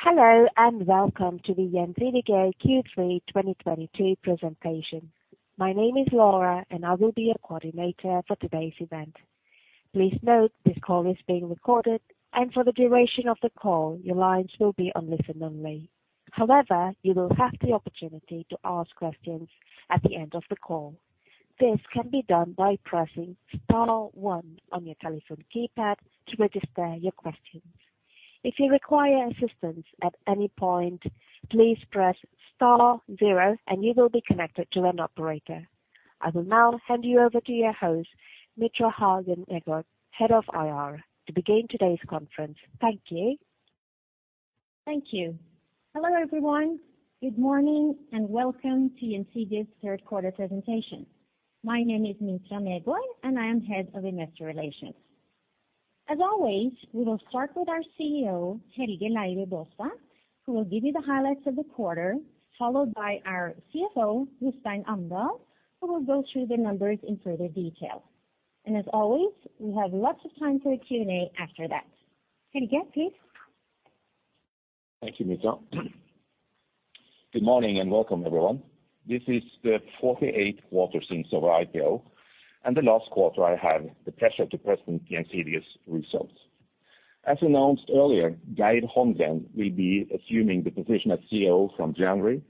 Hello, and welcome to the Gjensidige Q3 2022 presentation. My name is Laura, and I will be your coordinator for today's event. Please note this call is being recorded, and for the duration of the call, your lines will be on listen-only. However, you will have the opportunity to ask questions at the end of the call. This can be done by pressing star one on your telephone keypad to register your questions. If you require assistance at any point, please press star zero and you will be connected to an operator. I will now hand you over to your host, Mitra Hagen Negård, Head of IR, to begin today's conference. Thank you. Thank you. Hello, everyone. Good morning, and welcome to Gjensidige's third quarter presentation. My name is Mitra Negård, and I am Head of Investor Relations. As always, we will start with our CEO, Helge Leiro Baastad, who will give you the highlights of the quarter, followed by our CFO, Jostein Amdal, who will go through the numbers in further detail. As always, we have lots of time for the Q&A after that. Helge, please. Thank you, Mitra. Good morning and welcome, everyone. This is the 48th quarter since our IPO and the last quarter I have the pleasure to present our results. As announced earlier, Geir Holmgren will be assuming the position of CEO from January.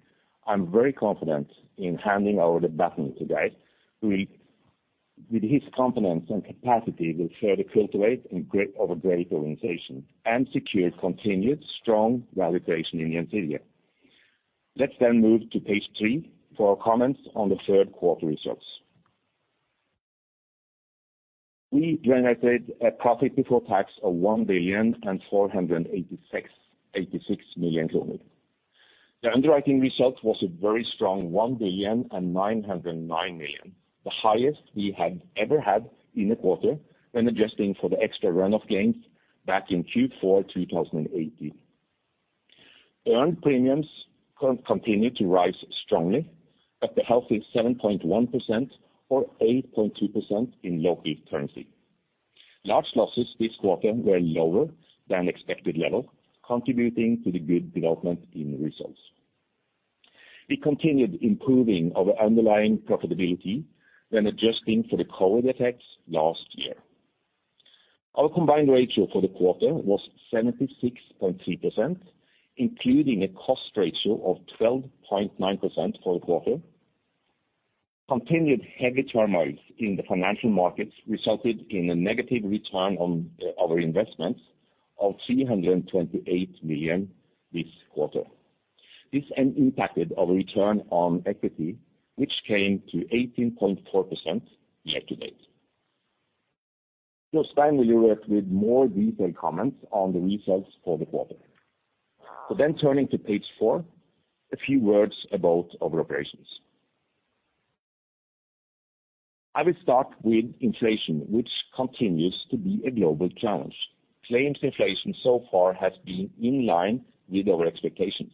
I'm very confident in handing over the baton to Geir, who will, with his confidence and capacity, further cultivate and grow a great organization and secure continued strong valuation in the area. Let's then move to page 3 for our comments on the third quarter results. We generated a profit before tax of 1,486.86 million. The underwriting result was a very strong 1,909 million, the highest we have ever had in a quarter when adjusting for the extra runoff gains back in Q4 2018. Earned premiums continue to rise strongly at the healthy 7.1% or 8.2% in local currency. Large losses this quarter were lower than expected level, contributing to the good development in results. We continued improving our underlying profitability when adjusting for the COVID effects last year. Our combined ratio for the quarter was 76.3%, including a cost ratio of 12.9% for the quarter. Continued heavy turmoil in the financial markets resulted in a negative return on our investments of 328 million this quarter. This impacted our return on equity, which came to 18.4% year-to-date. Jostein will deal with more detailed comments on the results for the quarter. Turning to page four, a few words about our operations. I will start with inflation, which continues to be a global challenge. Claims inflation so far has been in line with our expectations,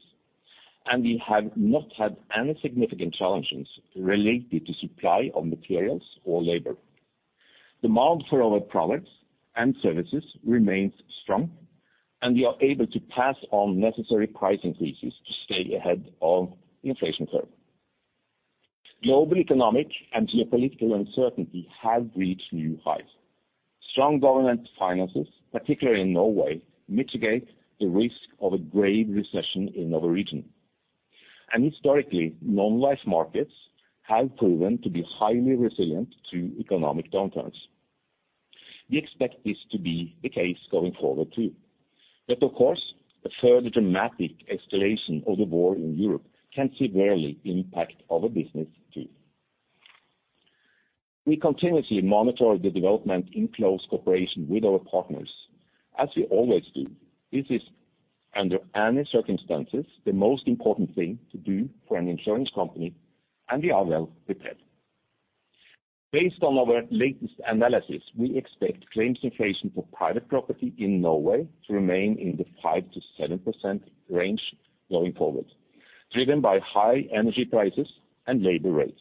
and we have not had any significant challenges related to supply of materials or labor. Demand for our products and services remains strong, and we are able to pass on necessary price increases to stay ahead of inflation curve. Global economic and geopolitical uncertainty have reached new heights. Strong government finances, particularly in Norway, mitigate the risk of a grave recession in our region. Historically, non-life markets have proven to be highly resilient to economic downturns. We expect this to be the case going forward, too. Of course, a further dramatic escalation of the war in Europe can severely impact our business too. We continuously monitor the development in close cooperation with our partners, as we always do. This is under any circumstances, the most important thing to do for an insurance company, and we are well prepared. Based on our latest analysis, we expect claims inflation for private property in Norway to remain in the 5%-7% range going forward, driven by high energy prices and labor rates.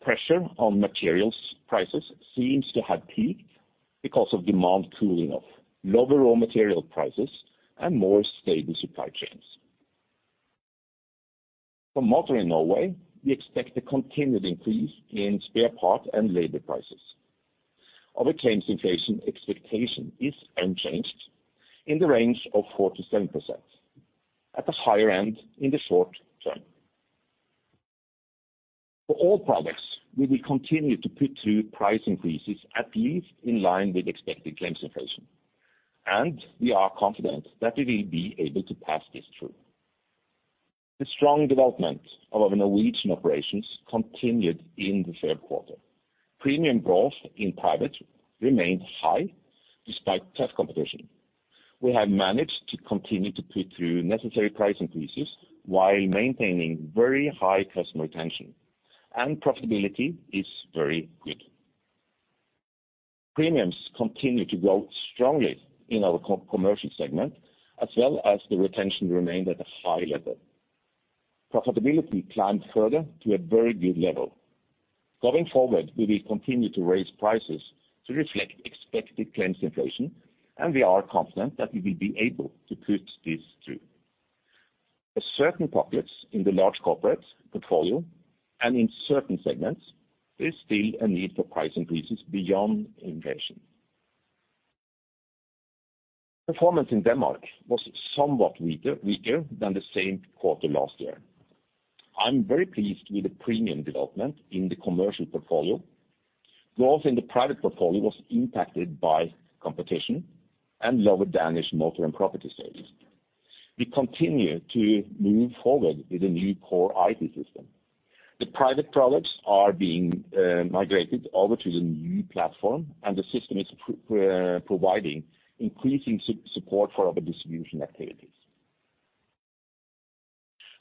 Pressure on materials prices seems to have peaked because of demand cooling off, lower raw material prices, and more stable supply chains. For motor in Norway, we expect a continued increase in spare part and labor prices. Our claims inflation expectation is unchanged in the range of 4%-7% at the higher end in the short term. For all products, we will continue to put through price increases at least in line with expected claims inflation, and we are confident that we will be able to pass this through. The strong development of our Norwegian operations continued in the third quarter. Premium growth in private remained high despite tough competition. We have managed to continue to put through necessary price increases while maintaining very high customer retention, and profitability is very good. Premiums continue to grow strongly in our commercial segment, as well as the retention remained at a high level. Profitability climbed further to a very good level. Going forward, we will continue to raise prices to reflect expected claims inflation, and we are confident that we will be able to put this through. For certain pockets in the large corporate portfolio and in certain segments, there's still a need for price increases beyond inflation. Performance in Denmark was somewhat weaker than the same quarter last year. I'm very pleased with the premium development in the commercial portfolio. Growth in the private portfolio was impacted by competition and lower Danish motor and property sales. We continue to move forward with the new core IT system. The private products are being migrated over to the new platform, and the system is providing increasing support for our distribution activities.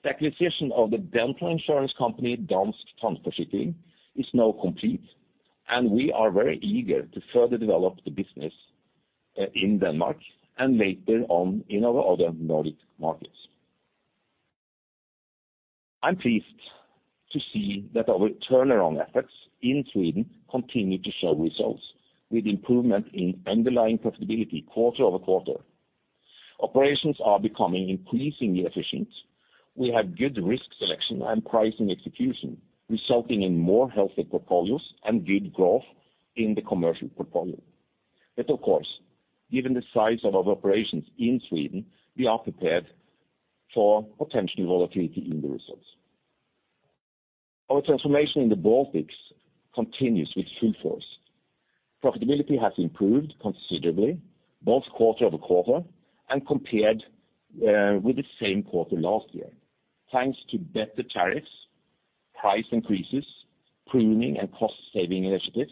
The acquisition of the dental insurance company, Dansk Tandforsikring, is now complete, and we are very eager to further develop the business in Denmark, and later on in our other Nordic markets. I'm pleased to see that our turnaround efforts in Sweden continue to show results with improvement in underlying profitability quarter-over-quarter. Operations are becoming increasingly efficient. We have good risk selection and pricing execution, resulting in more healthy portfolios and good growth in the commercial portfolio. Of course, given the size of our operations in Sweden, we are prepared for potential volatility in the results. Our transformation in the Baltics continues with full force. Profitability has improved considerably, both quarter-over-quarter and compared with the same quarter last year, thanks to better tariffs, price increases, pruning, and cost-saving initiatives.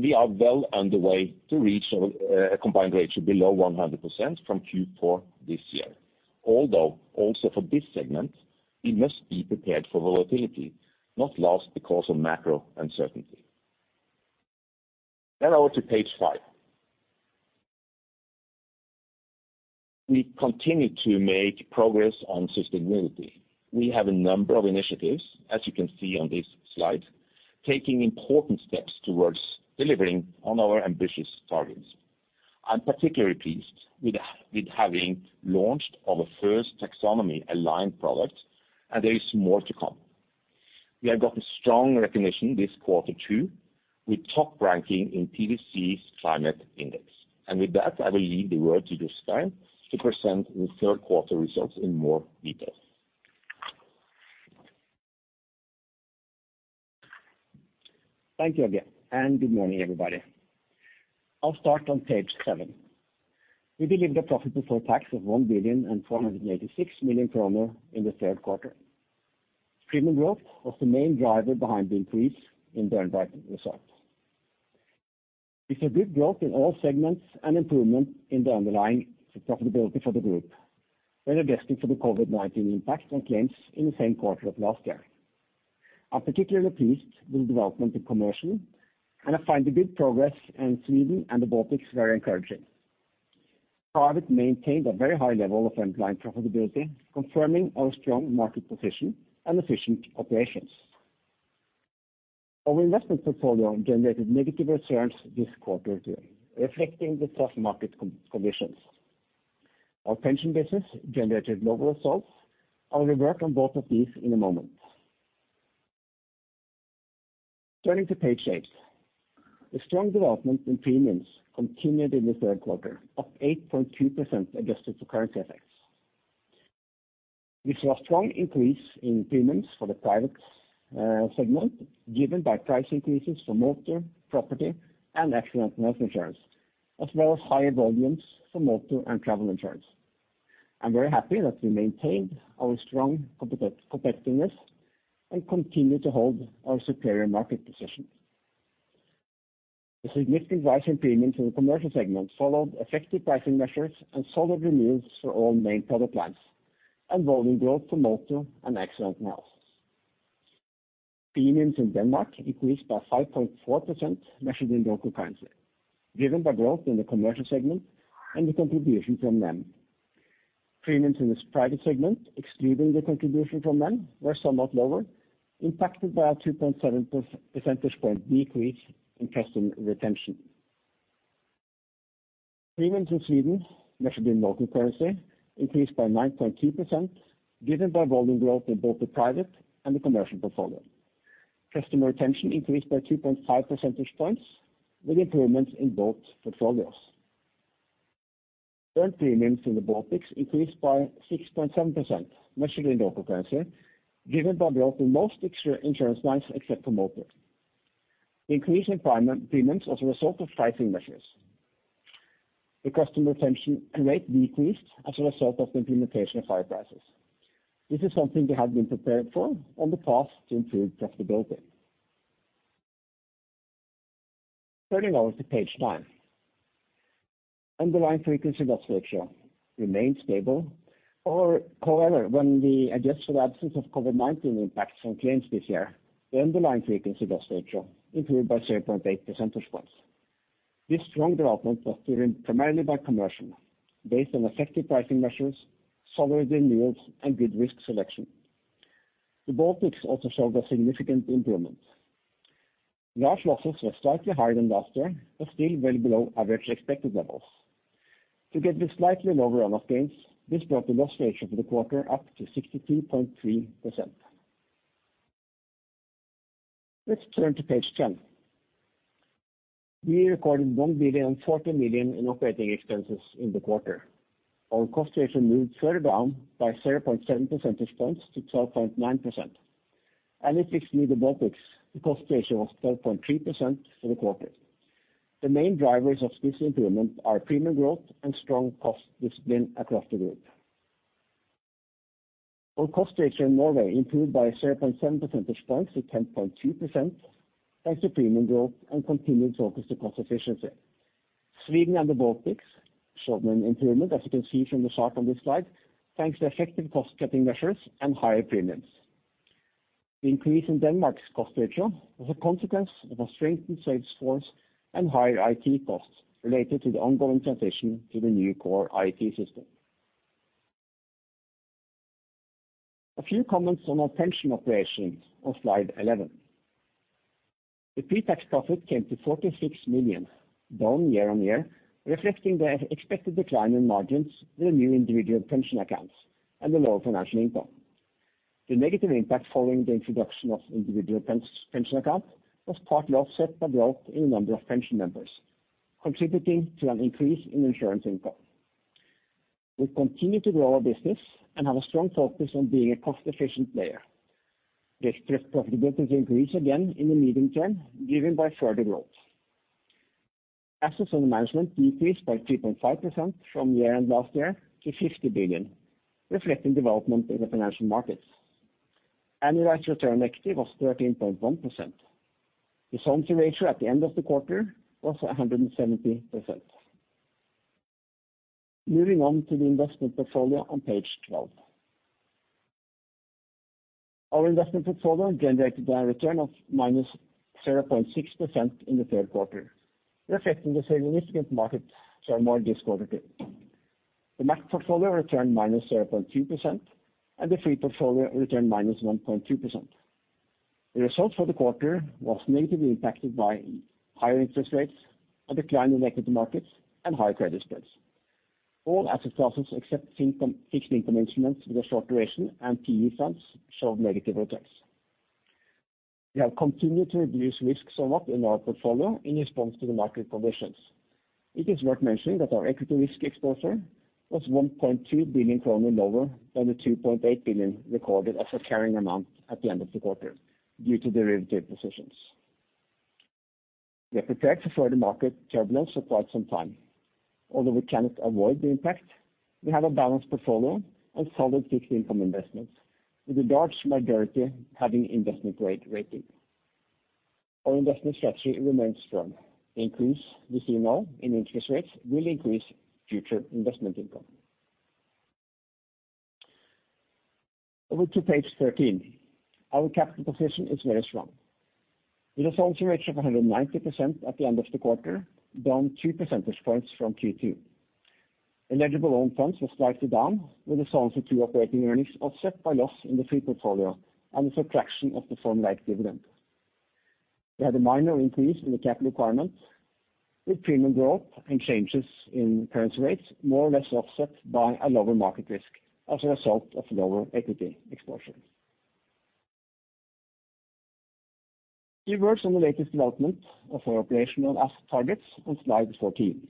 We are well underway to reach our combined ratio below 100% from Q4 this year. Although also for this segment, we must be prepared for volatility, not last because of macro uncertainty. Over to page 5. We continue to make progress on sustainability. We have a number of initiatives, as you can see on this slide, taking important steps towards delivering on our ambitious targets. I'm particularly pleased with having launched our first taxonomy-aligned product, and there is more to come. We have gotten strong recognition this quarter too, with top ranking in PwC's climate index. With that, I will leave the word to Jostein to present the third quarter results in more detail. Thank you again, and good morning, everybody. I'll start on page 7. We delivered a profit before tax of 1,486 million kroner in the third quarter. Premium growth was the main driver behind the increase in the underlying results. We saw good growth in all segments and improvement in the underlying profitability for the group when adjusting for the COVID-19 impact on claims in the same quarter of last year. I'm particularly pleased with the development in commercial, and I find the good progress in Sweden and the Baltics very encouraging. Private maintained a very high level of underlying profitability, confirming our strong market position and efficient operations. Our investment portfolio generated negative returns this quarter too, reflecting the tough market conditions. Our pension business generated lower results. I'll revert on both of these in a moment. Turning to page 8. The strong development in premiums continued in the third quarter, up 8.2% adjusted for currency effects. We saw a strong increase in premiums for the private segment, given by price increases for motor, property, and accident and health insurance, as well as higher volumes for motor and travel insurance. I'm very happy that we maintained our strong competitiveness and continue to hold our superior market position. The significant rise in premiums in the commercial segment followed effective pricing measures and solid renewals for all main product lines, and volume growth for motor and accident and health. Premiums in Denmark increased by 5.4%, measured in local currency, driven by growth in the commercial segment and the contribution from them. Premiums in this private segment, excluding the contribution from them, were somewhat lower, impacted by a 2.7 percentage point decrease in customer retention. Premiums in Sweden, measured in local currency, increased by 9.2% given by volume growth in both the private and the commercial portfolio. Customer retention increased by 2.5 percentage points with improvements in both portfolios. Earned premiums in the Baltics increased by 6.7%, measured in local currency, given by growth in most insurance lines except for motor. The increase in prime premiums was a result of pricing measures. The customer retention rate decreased as a result of the implementation of higher prices. This is something we have been prepared for on the path to improved profitability. Turning over to page 9. Underlying frequency loss ratio remained stable. When we adjust for the absence of COVID-19 impacts on claims this year, the underlying frequency loss ratio improved by 0.8 percentage points. This strong development was driven primarily by commercial based on effective pricing measures, solid renewals, and good risk selection. The Baltics also showed a significant improvement. Large losses were slightly higher than last year, but still well below average expected levels. To get this slightly lower runoff gains, this brought the loss ratio for the quarter up to 62.3%. Let's turn to page 10. We recorded 1.04 billion in operating expenses in the quarter. Our cost ratio moved further down by 0.7 percentage points to 12.9%. If we exclude the Baltics, the cost ratio was 12.3% for the quarter. The main drivers of this improvement are premium growth and strong cost discipline across the group. Our cost ratio in Norway improved by 0.7 percentage points to 10.2%, thanks to premium growth and continued focus to cost efficiency. Sweden and the Baltics showed an improvement, as you can see from the chart on this slide, thanks to effective cost cutting measures and higher premiums. The increase in Denmark's cost ratio was a consequence of a strengthened sales force and higher IT costs related to the ongoing transition to the new core IT system. A few comments on our pension operations on slide eleven. The pre-tax profit came to 46 million, down year-on-year, reflecting the expected decline in margins with the new individual pension accounts and the lower financial income. The negative impact following the introduction of individual pension account was partly offset by growth in the number of pension members, contributing to an increase in insurance income. We continue to grow our business and have a strong focus on being a cost-efficient player. This profitability increase again in the medium term, driven by further growth. Assets under management decreased by 3.5% from year-end last year to 50 billion, reflecting development in the financial markets. Annualized return on equity was 13.1%. The solvency ratio at the end of the quarter was 170%. Moving on to the investment portfolio on page 12. Our investment portfolio generated a return of -0.6% in the third quarter, reflecting significant market turmoil. The match portfolio returned -0.2%, and the Free portfolio returned -1.2%. The result for the quarter was negatively impacted by higher interest rates, a decline in equity markets, and higher credit spreads. All asset classes except fixed income instruments with a short duration and PE funds showed negative returns. We have continued to reduce risk somewhat in our portfolio in response to the market conditions. It is worth mentioning that our equity risk exposure was 1.2 billion kroner lower than the 2.8 billion recorded as a carrying amount at the end of the quarter due to derivative positions. We are prepared for further market turbulence for quite some time. Although we cannot avoid the impact, we have a balanced portfolio and solid fixed income investments, with the large majority having investment grade rating. Our investment strategy remains strong. increase we see now in interest rates will increase future investment income. Over to page 13. Our capital position is very strong. With a solvency ratio of 190% at the end of the quarter, down 2 percentage points from Q2. Eligible own funds was slightly down, with the solvency through operating earnings offset by loss in the free portfolio and the subtraction of the Formlife dividend. We had a minor increase in the capital requirements, with premium growth and changes in currency rates, more or less offset by a lower market risk as a result of lower equity exposure. A few words on the latest development of our operational targets on slide 14.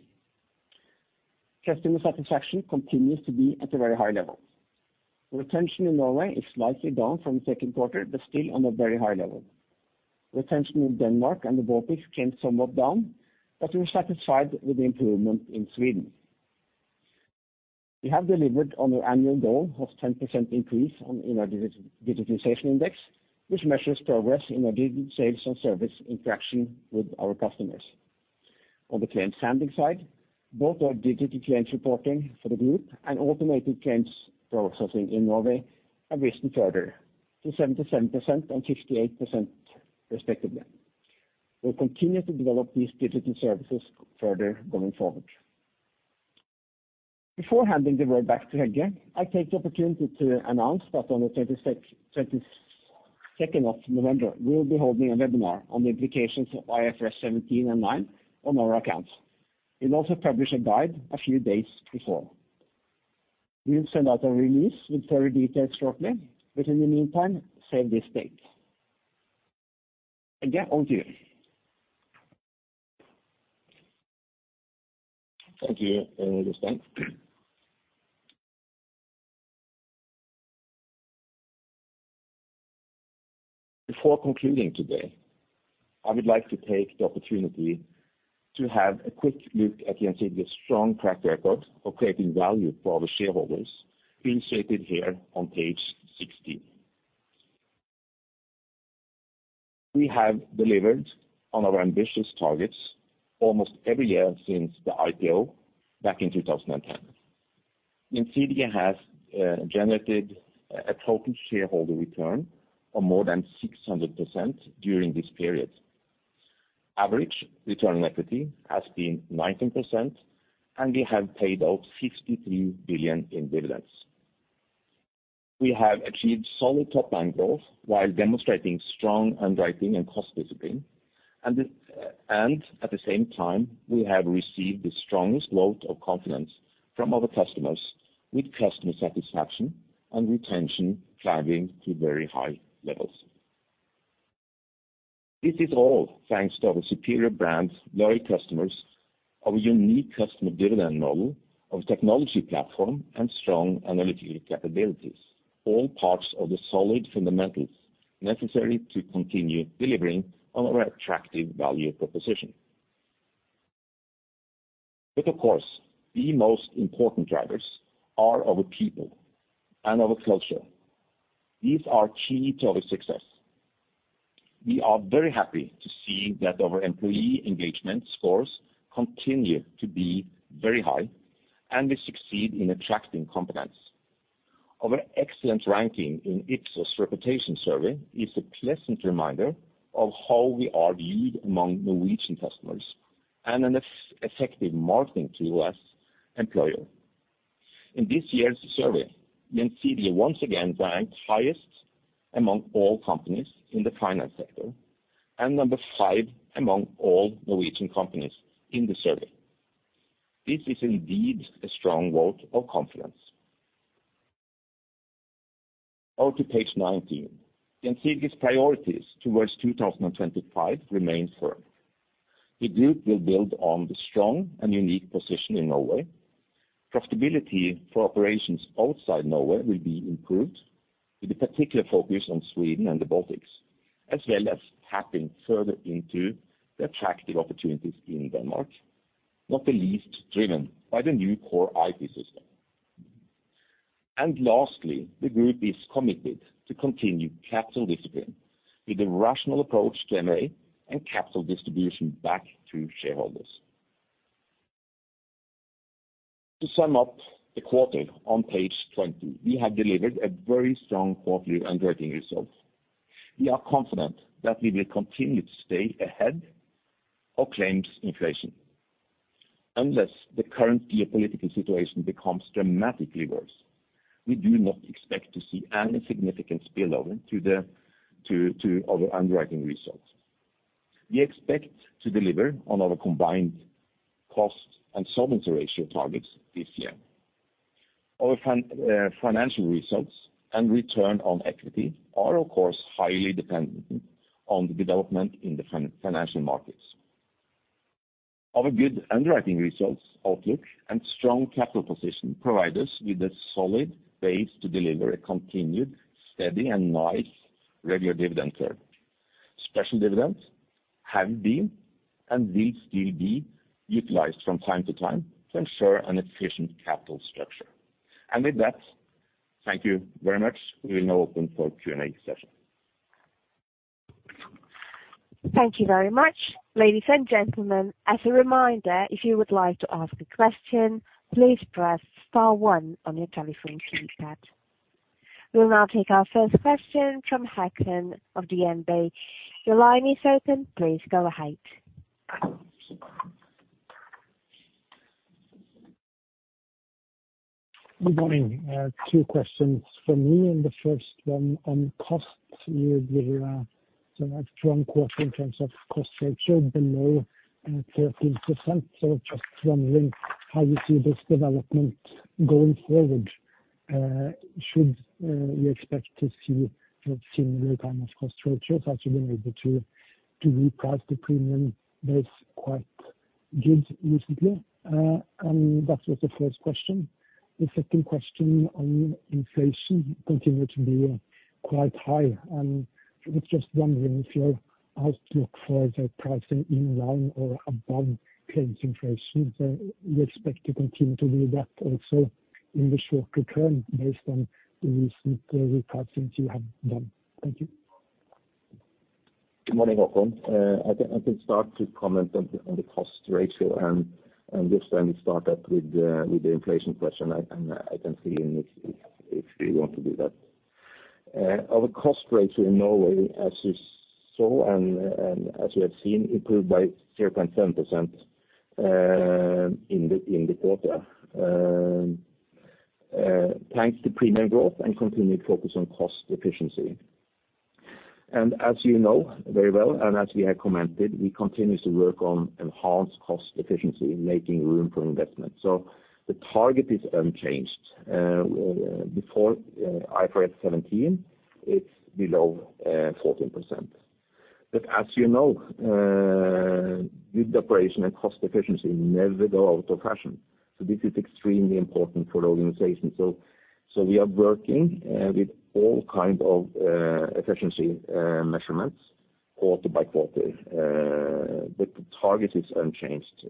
Customer satisfaction continues to be at a very high level. Retention in Norway is slightly down from the second quarter, but still on a very high level. Retention in Denmark and the Baltics came somewhat down, but we are satisfied with the improvement in Sweden. We have delivered on our annual goal of 10% increase on, in our digitization index, which measures progress in our digital sales and service interaction with our customers. On the claims handling side, both our digital claims reporting for the group and automated claims processing in Norway have risen further to 77% and 58% respectively. We'll continue to develop these digital services further going forward. Before handing the word back to Helge, I take the opportunity to announce that on the 22n- of November 2026, we will be holding a webinar on the implications of IFRS 17 and 9 on our accounts. We'll also publish a guide a few days before. We'll send out a release with further details shortly, but in the meantime, save this date. Helge, over to you. Thank you, Jostein Amdal. Before concluding today, I would like to take the opportunity to have a quick look at Gjensidige's strong track record of creating value for the shareholders, illustrated here on page 16. We have delivered on our ambitious targets almost every year since the IPO back in 2010. Gjensidige has generated a total shareholder return of more than 600% during this period. Average return on equity has been 19%, and we have paid out 63 billion in dividends. We have achieved solid top-line growth while demonstrating strong underwriting and cost discipline. At the same time, we have received the strongest vote of confidence from our customers, with customer satisfaction and retention climbing to very high levels. This is all thanks to our superior brands, loyal customers, our unique customer dividend model, our technology platform, and strong analytical capabilities, all parts of the solid fundamentals necessary to continue delivering on our attractive value proposition. Of course, the most important drivers are our people and our culture. These are key to our success. We are very happy to see that our employee engagement scores continue to be very high, and we succeed in attracting competence. Our excellent ranking in Ipsos Reputation Survey is a pleasant reminder of how we are viewed among Norwegian customers and an effective marketing tool as employer. In this year's survey, Gjensidige once again ranked highest among all companies in the finance sector and number 5 among all Norwegian companies in the survey. This is indeed a strong vote of confidence. Over to page 19. Gjensidige's priorities towards 2025 remain firm. The group will build on the strong and unique position in Norway. Profitability for operations outside Norway will be improved, with a particular focus on Sweden and the Baltics, as well as tapping further into the attractive opportunities in Denmark, not the least driven by the new core IT system. Lastly, the group is committed to continued capital discipline with a rational approach to M&A and capital distribution back to shareholders. To sum up the quarter on page 20, we have delivered a very strong quarterly underwriting result. We are confident that we will continue to stay ahead of claims inflation. Unless the current geopolitical situation becomes dramatically worse, we do not expect to see any significant spill over to our underwriting results. We expect to deliver on our combined, cost, and solvency ratio targets this year. Our financial results and Return on Equity are, of course, highly dependent on the development in the financial markets. Our good underwriting results outlook and strong capital position provide us with a solid base to deliver a continued steady and nice regular dividend term. Special dividends have been and will still be utilized from time to time to ensure an efficient capital structure. With that, thank you very much. We will now open for Q&A session. Thank you very much. Ladies and gentlemen, as a reminder, if you would like to ask a question, please press star one on your telephone keypad. We will now take our first question from Håkon of DNB. Your line is open. Please go ahead. Good morning. Two questions from me, and the first one on costs. You delivered some strong quarter in terms of cost ratio below 13%. Just wondering how you see this development going forward. Should we expect to see a similar kind of cost ratio as you've been able to reprice the premium that's quite good recently? That was the first question. The second question on inflation continue to be quite high. I was just wondering if your outlook for the pricing in line or above claims inflation, you expect to continue to do that also in the short term based on the recent repricings you have done. Thank you. Good morning, Håkon. I can start to comment on the cost ratio and Jostein Amdal can start with the inflation question. I can fill in if you want to do that. Our cost ratio in Norway, as you saw and as you have seen, improved by 0.7% in the quarter, thanks to premium growth and continued focus on cost efficiency. As you know very well and as we have commented, we continue to work on enhanced cost efficiency, making room for investment. The target is unchanged. Before IFRS 17, it's below 14%. As you know, with the operation and cost efficiency never go out of fashion. This is extremely important for the organization. We are working with all kind of efficiency measurements quarter-by-quarter. The target is unchanged.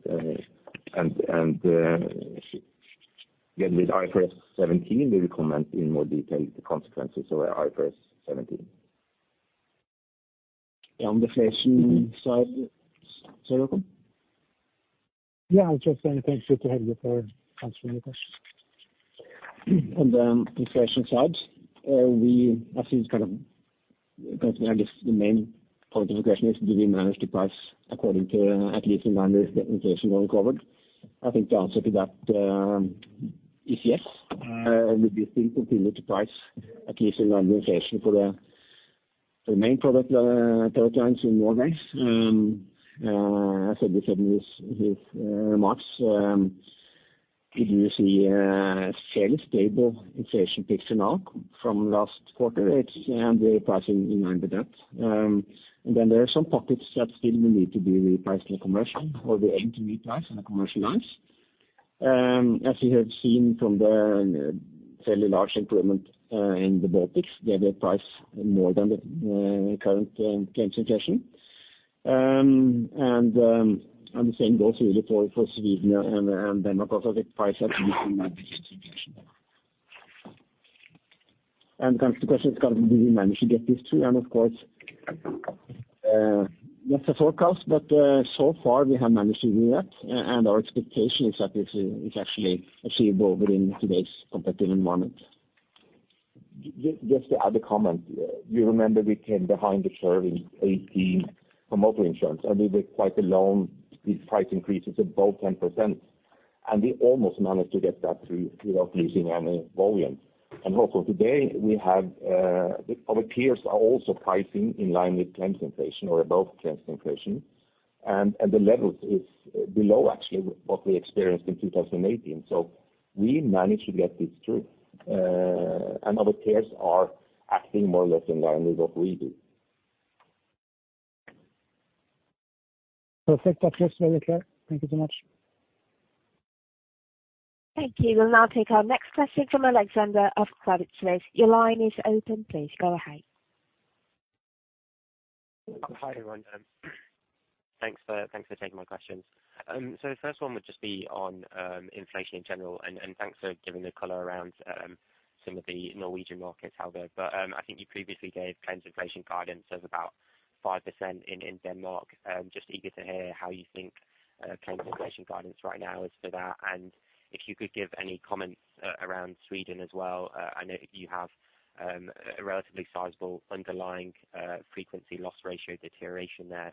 With IFRS 17, we will comment in more detail the consequences of IFRS 17. On the inflation side, sorry, okay? Yeah, I was just saying thanks to. On the inflation side, which is kind of, I guess the main point of the question is do we manage the price according to at least in line with the inflation going forward? I think the answer to that is yes. We do still continue to price at least in line with inflation for the main product territory in Norway. As I said before in these remarks, you see a fairly stable inflation picture now from last quarter. With pricing in line with that. There are some pockets that still will need to be repriced in the commercial, or we aim to reprice in the commercial lines. As you have seen from the fairly large improvement in the Baltics, they have priced more than the current claim situation. The same goes really for Sweden and Denmark, also the price. The question is kind of do we manage to get this through? Of course, that's the forecast, but so far we have managed to do that. Our expectation is that this is actually achievable within today's competitive environment. Just to add a comment. You remember we came behind the curve in 2018 for motor insurance, and it was quite a long price increases of above 10%. We almost managed to get that through without losing any volume. Also today, our peers are also pricing in line with claims inflation or above claims inflation. The levels is below actually what we experienced in 2018. We managed to get this through, and our peers are acting more or less in line with what we do. Perfect. That was very clear. Thank you so much. Thank you. We'll now take our next question from Alexander of Credit Suisse. Your line is open. Please go ahead. Hi, everyone. Thanks for taking my questions. The first one would just be on inflation in general, and thanks for giving the color around some of the Norwegian markets, Helge. I think you previously gave claims inflation guidance of about 5% in Denmark. Just eager to hear how you think claims inflation guidance right now is for that. If you could give any comments around Sweden as well. I know you have a relatively sizable underlying frequency loss ratio deterioration there.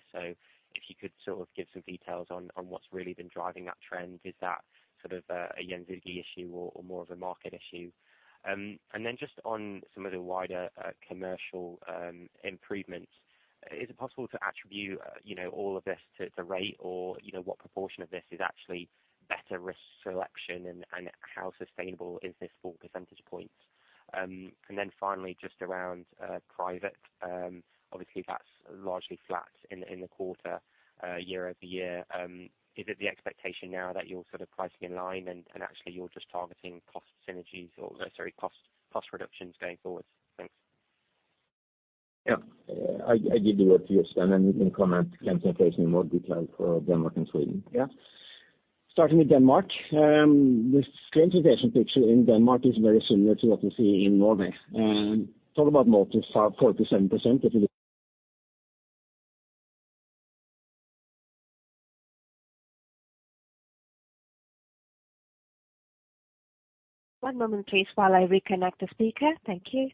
If you could sort of give some details on what's really been driving that trend. Is that sort of a Jens Udbye issue or more of a market issue? Just on some of the wider commercial improvements, is it possible to attribute, you know, all of this to rate or, you know, what proportion of this is actually better risk selection and how sustainable is this four percentage points? Finally, just around private. Obviously that's largely flat in the quarter year-over-year. Is it the expectation now that you're sort of pricing in line and actually you're just targeting cost synergies or necessary cost reductions going forward? Thanks. Yeah. I give the word to Jostein, and he can comment on claims inflation in more detail for Denmark and Sweden. Yeah. Starting with Denmark, the claims inflation picture in Denmark is very similar to what we see in Norway. It's all about 4%-7% if you. One moment, please, while I reconnect the speaker. Thank you.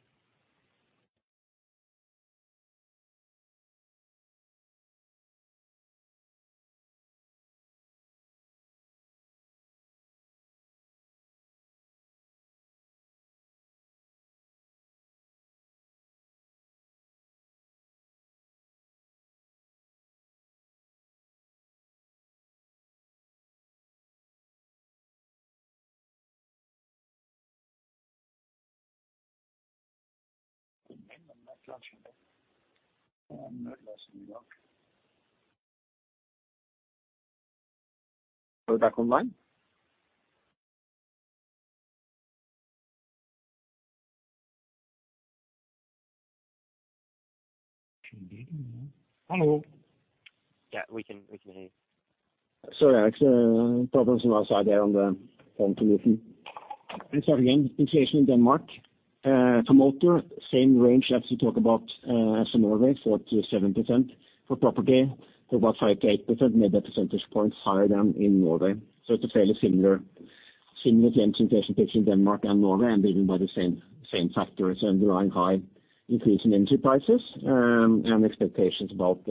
Are you back online? Hello? Yeah, we can hear you. Sorry, Alex. Problems on our side there on the phone connection. Let's start again. Inflation in Denmark. For motor, same range as we talk about as for Norway, 4%-7%. For property, about 5%-8%, maybe a percentage point higher than in Norway. It's a fairly similar claims inflation picture in Denmark and Norway, and driven by the same factors, underlying high increase in energy prices, and expectations about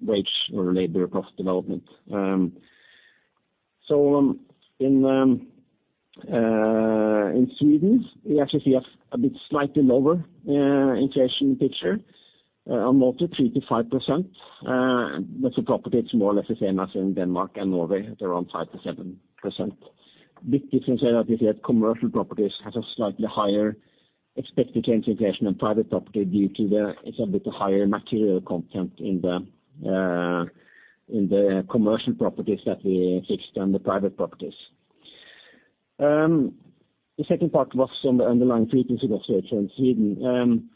wage or labor cost development. In Sweden, we actually see a bit slightly lower inflation picture. On motor, 3%-5%. For property it's more or less the same as in Denmark and Norway at around 5%-7%. Big difference there that we see that commercial properties has a slightly higher expected claims inflation than private property due to the, it's a bit higher material content in the commercial properties that we find on the private properties. The second part was on the underlying frequency ratio in Sweden.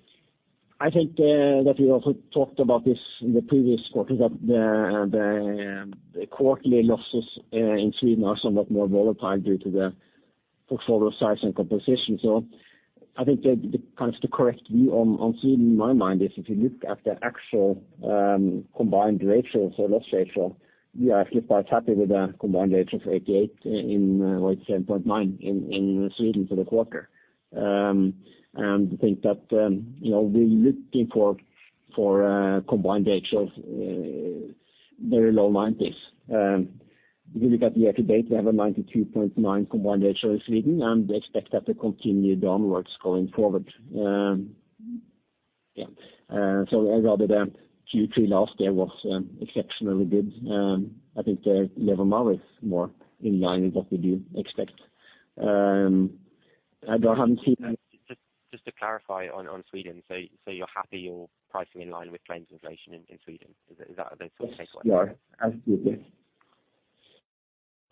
I think that we also talked about this in the previous quarter, that the quarterly losses in Sweden are somewhat more volatile due to the portfolio size and composition. I think that the correct view on Sweden in my mind is if you look at the actual combined ratio, so loss ratio, we are actually quite happy with the combined ratio for 88%, or 87.9% in Sweden for the quarter. I think that, you know, we're looking for a combined ratio of very low 90%s. If you look at the year-to-date, we have a 92.9% combined ratio in Sweden, and we expect that to continue downwards going forward. Rather than Q3 last year was exceptionally good, I think the level now is more in line with what we do expect. I haven't seen. Just to clarify on Sweden. You're happy you're pricing in line with claims inflation in Sweden. Is that sort of the takeaway?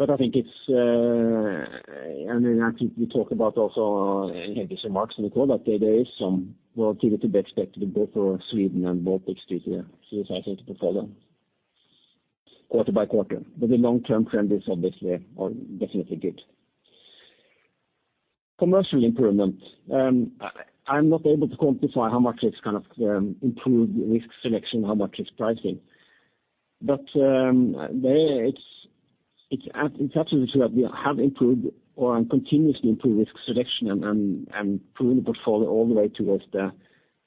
Yes. Yeah. Absolutely. I think it's, I mean, I think we talked about also in Helge's remarks in the call that there is some volatility to be expected both for Sweden and Baltic due to the cycles in the portfolio quarter-by-quarter. The long-term trend is obviously, or definitely good. Commercial improvement. I'm not able to quantify how much it's kind of improved risk selection, how much it's pricing. It's absolutely true that we have improved and continuously improve risk selection and improve the portfolio all the way towards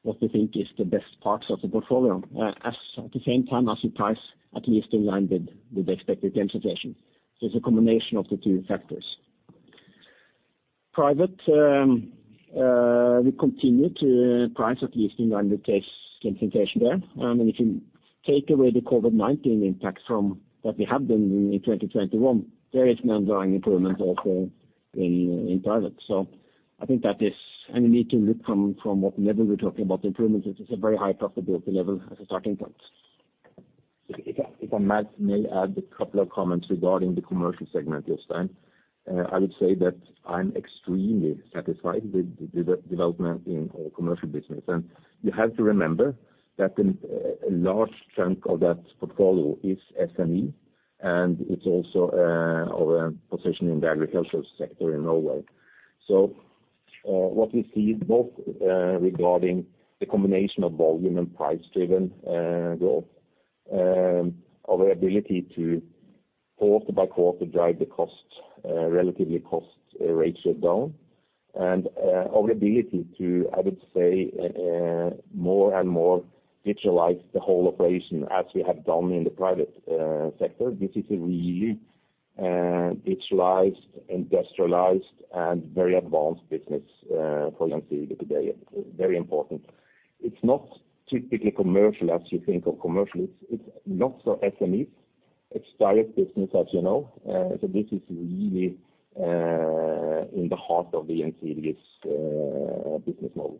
what we think is the best parts of the portfolio. At the same time as we price at least in line with expected inflation. It's a combination of the two factors. Private, we continue to price at least in line with taxes, inflation there. If you take away the COVID-19 impact from that we had in 2021, there is an underlying improvement also in private. I think that is. You need to look from what level we're talking about the improvements, which is a very high profitability level as a starting point. If I may add a couple of comments regarding the commercial segment, Jostein. I would say that I'm extremely satisfied with the development in our commercial business. You have to remember that a large chunk of that portfolio is SME, and it's also our position in the agricultural sector in Norway. What we see both regarding the combination of volume and price-driven growth, our ability to quarter by quarter drive the costs relatively cost ratio down, and our ability to, I would say, more and more digitalize the whole operation as we have done in the private sector. This is a really digitalized, industrialized and very advanced business for Gjensidige today. Very important. It's not typically commercial as you think of commercial. It's lots of SMEs. It's direct business, as you know. This is really in the heart of the Gjensidige's business model.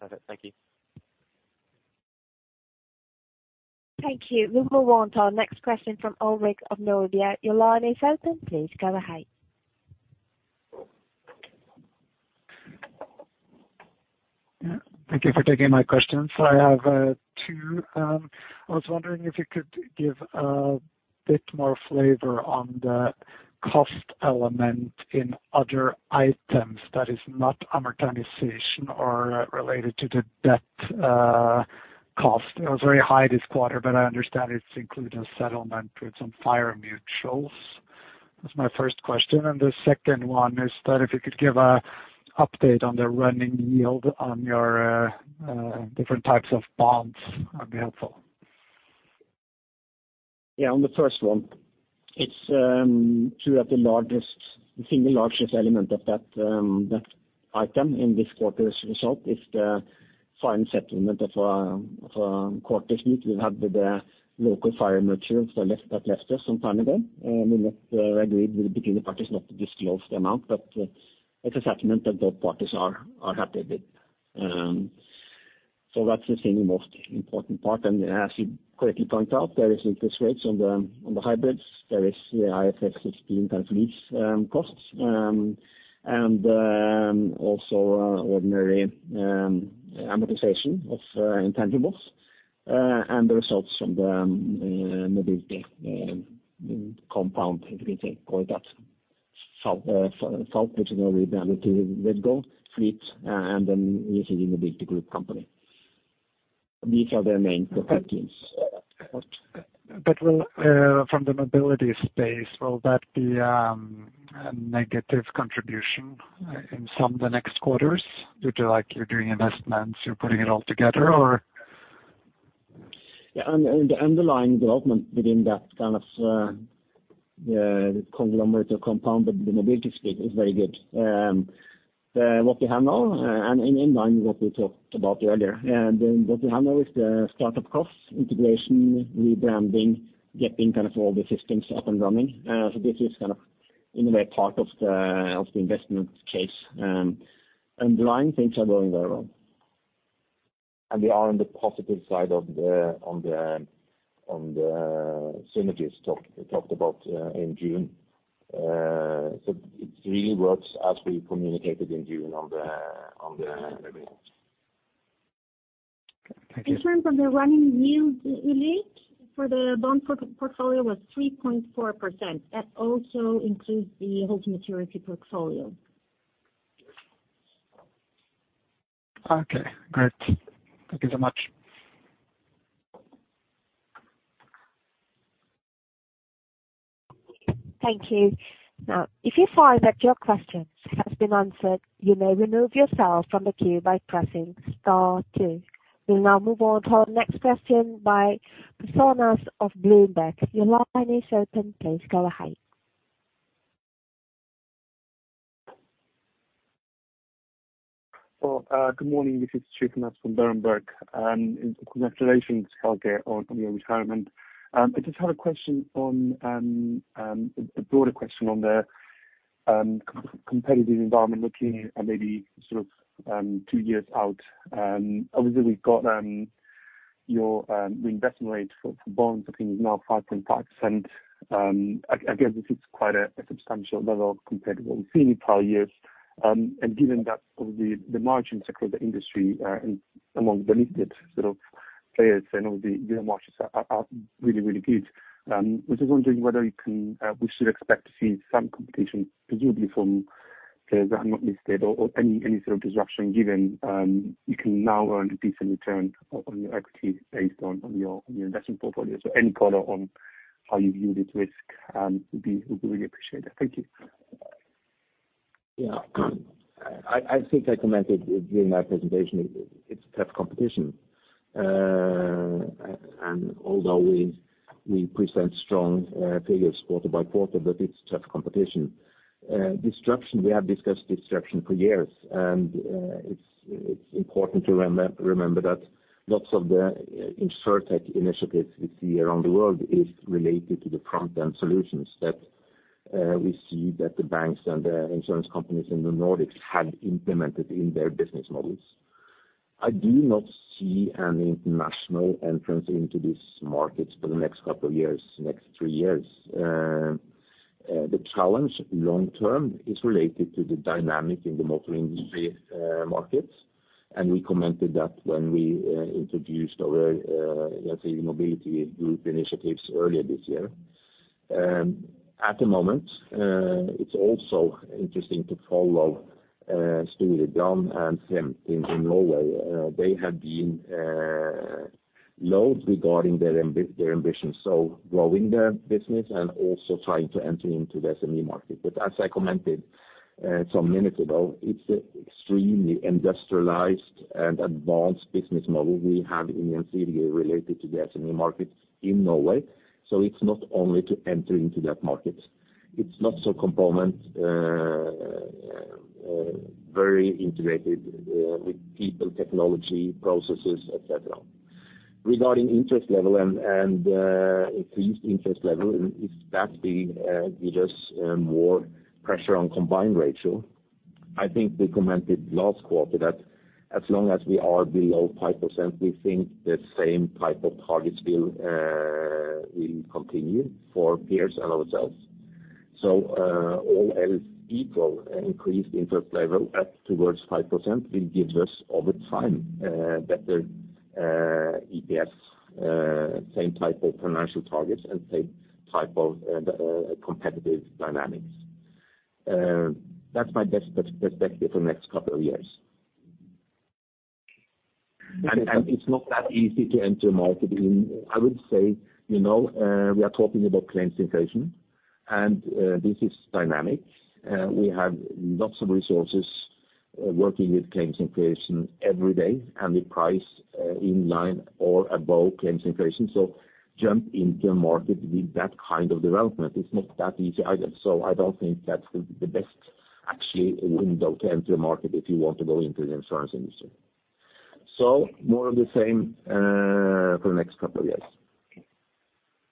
Perfect. Thank you. Thank you. We'll move on to our next question from Ulrik of Nordea. Your line is open. Please go ahead. Yeah. Thank you for taking my questions. I have two. I was wondering if you could give a bit more flavor on the cost element in other items that is not amortization or related to the debt, cost. It was very high this quarter, but I understand it's including a settlement with some fire mutuals. That's my first question. The second one is that if you could give a update on the running yield on your different types of bonds, that'd be helpful. Yeah. On the first one, it's true that the single largest element of that item in this quarter's result is the final settlement of a court dispute we had with a local fire mutual. That left us some time ago, and we had agreed with the opposing parties not to disclose the amount, but it's a settlement that both parties are happy with. That's the single most important part. As you correctly point out, there is interest rates on the hybrids. There is the IFRS 16 kind of lease costs. And also ordinary amortization of intangibles, and the results from the Mobility Group, if you can call it that which is now rebranded to Wego Flight, and then receiving the big group company. These are the main components. From the mobility space, will that be a negative contribution in some of the next quarters due to like you're doing investments, you're putting it all together or? The underlying development within that kind of the conglomerate or compound within mobility space is very good. What we have now and in line with what we talked about earlier, what we have now is the startup costs, integration, rebranding, getting kind of all the systems up and running. This is kind of in a way part of the investment case. Underlying things are going very well. We are on the positive side of the synergies we talked about in June. It really works as we communicated in June on the mobility. In terms of the running yield, Ulrik, for the bond portfolio was 3.4%. That also includes the hold-to-maturity portfolio. Okay, great. Thank you so much. Thank you. Now, if you find that your question has been answered, you may remove yourself from the queue by pressing star two. We'll now move on to our next question by Tristanas of Bloomberg. Your line is open. Please go ahead. Good morning, this is Tristanas from Bloomberg. Congratulations, Helge, on your retirement. I just had a question on a broader question on the competitive environment, looking at maybe sort of two years out. Obviously we've got your reinvestment rate for bonds, I think is now 5.5%. Again, this is quite a substantial level compared to what we've seen in prior years. Given that sort of the margins across the industry and among the listed sort of players and all the margins are really good. I was just wondering we should expect to see some competition, presumably from players that are not listed or any sort of disruption given you can now earn a decent return on your equity based on your investment portfolio. Any color on how you view this risk would be really appreciated. Thank you. Yeah. I think I commented during my presentation, it's tough competition. Although we present strong figures quarter by quarter, but it's tough competition. Disruption, we have discussed disruption for years. It's important to remember that lots of the Insurtech initiatives we see around the world is related to the front-end solutions that we see that the banks and the insurance companies in the Nordics have implemented in their business models. I do not see any international entrance into these markets for the next couple of years, next three years. The challenge long-term is related to the dynamic in the motor industry, markets. We commented that when we introduced our, let's say, Mobility Group initiatives earlier this year. At the moment, it's also interesting to follow Storebrand and If in Norway. They have been loud regarding their ambitions, growing their business and also trying to enter into the SME market. As I commented some minutes ago, it's extremely integrated and advanced business model we have in NCDV related to the SME market in Norway. It's not only to enter into that market, it's lots of components, very integrated, with people, technology, processes, etc. Regarding interest level and increased interest level, does the increased interest level give us more pressure on combined ratio? I think we commented last quarter that as long as we are below 5%, we think the same type of targets will continue for peers and ourselves. All else equal, an increased interest level up towards 5% will give us over time better EPS, same type of financial targets and same type of competitive dynamics. That's my best perspective for next couple of years. It's not that easy to enter a market. I would say, you know, we are talking about claims inflation, and this is dynamic. We have lots of resources working with claims inflation every day, and we price in line or above claims inflation. Jump into a market with that kind of development is not that easy either. I don't think that's the best actually window to enter a market if you want to go into the insurance industry. More of the same for the next couple years.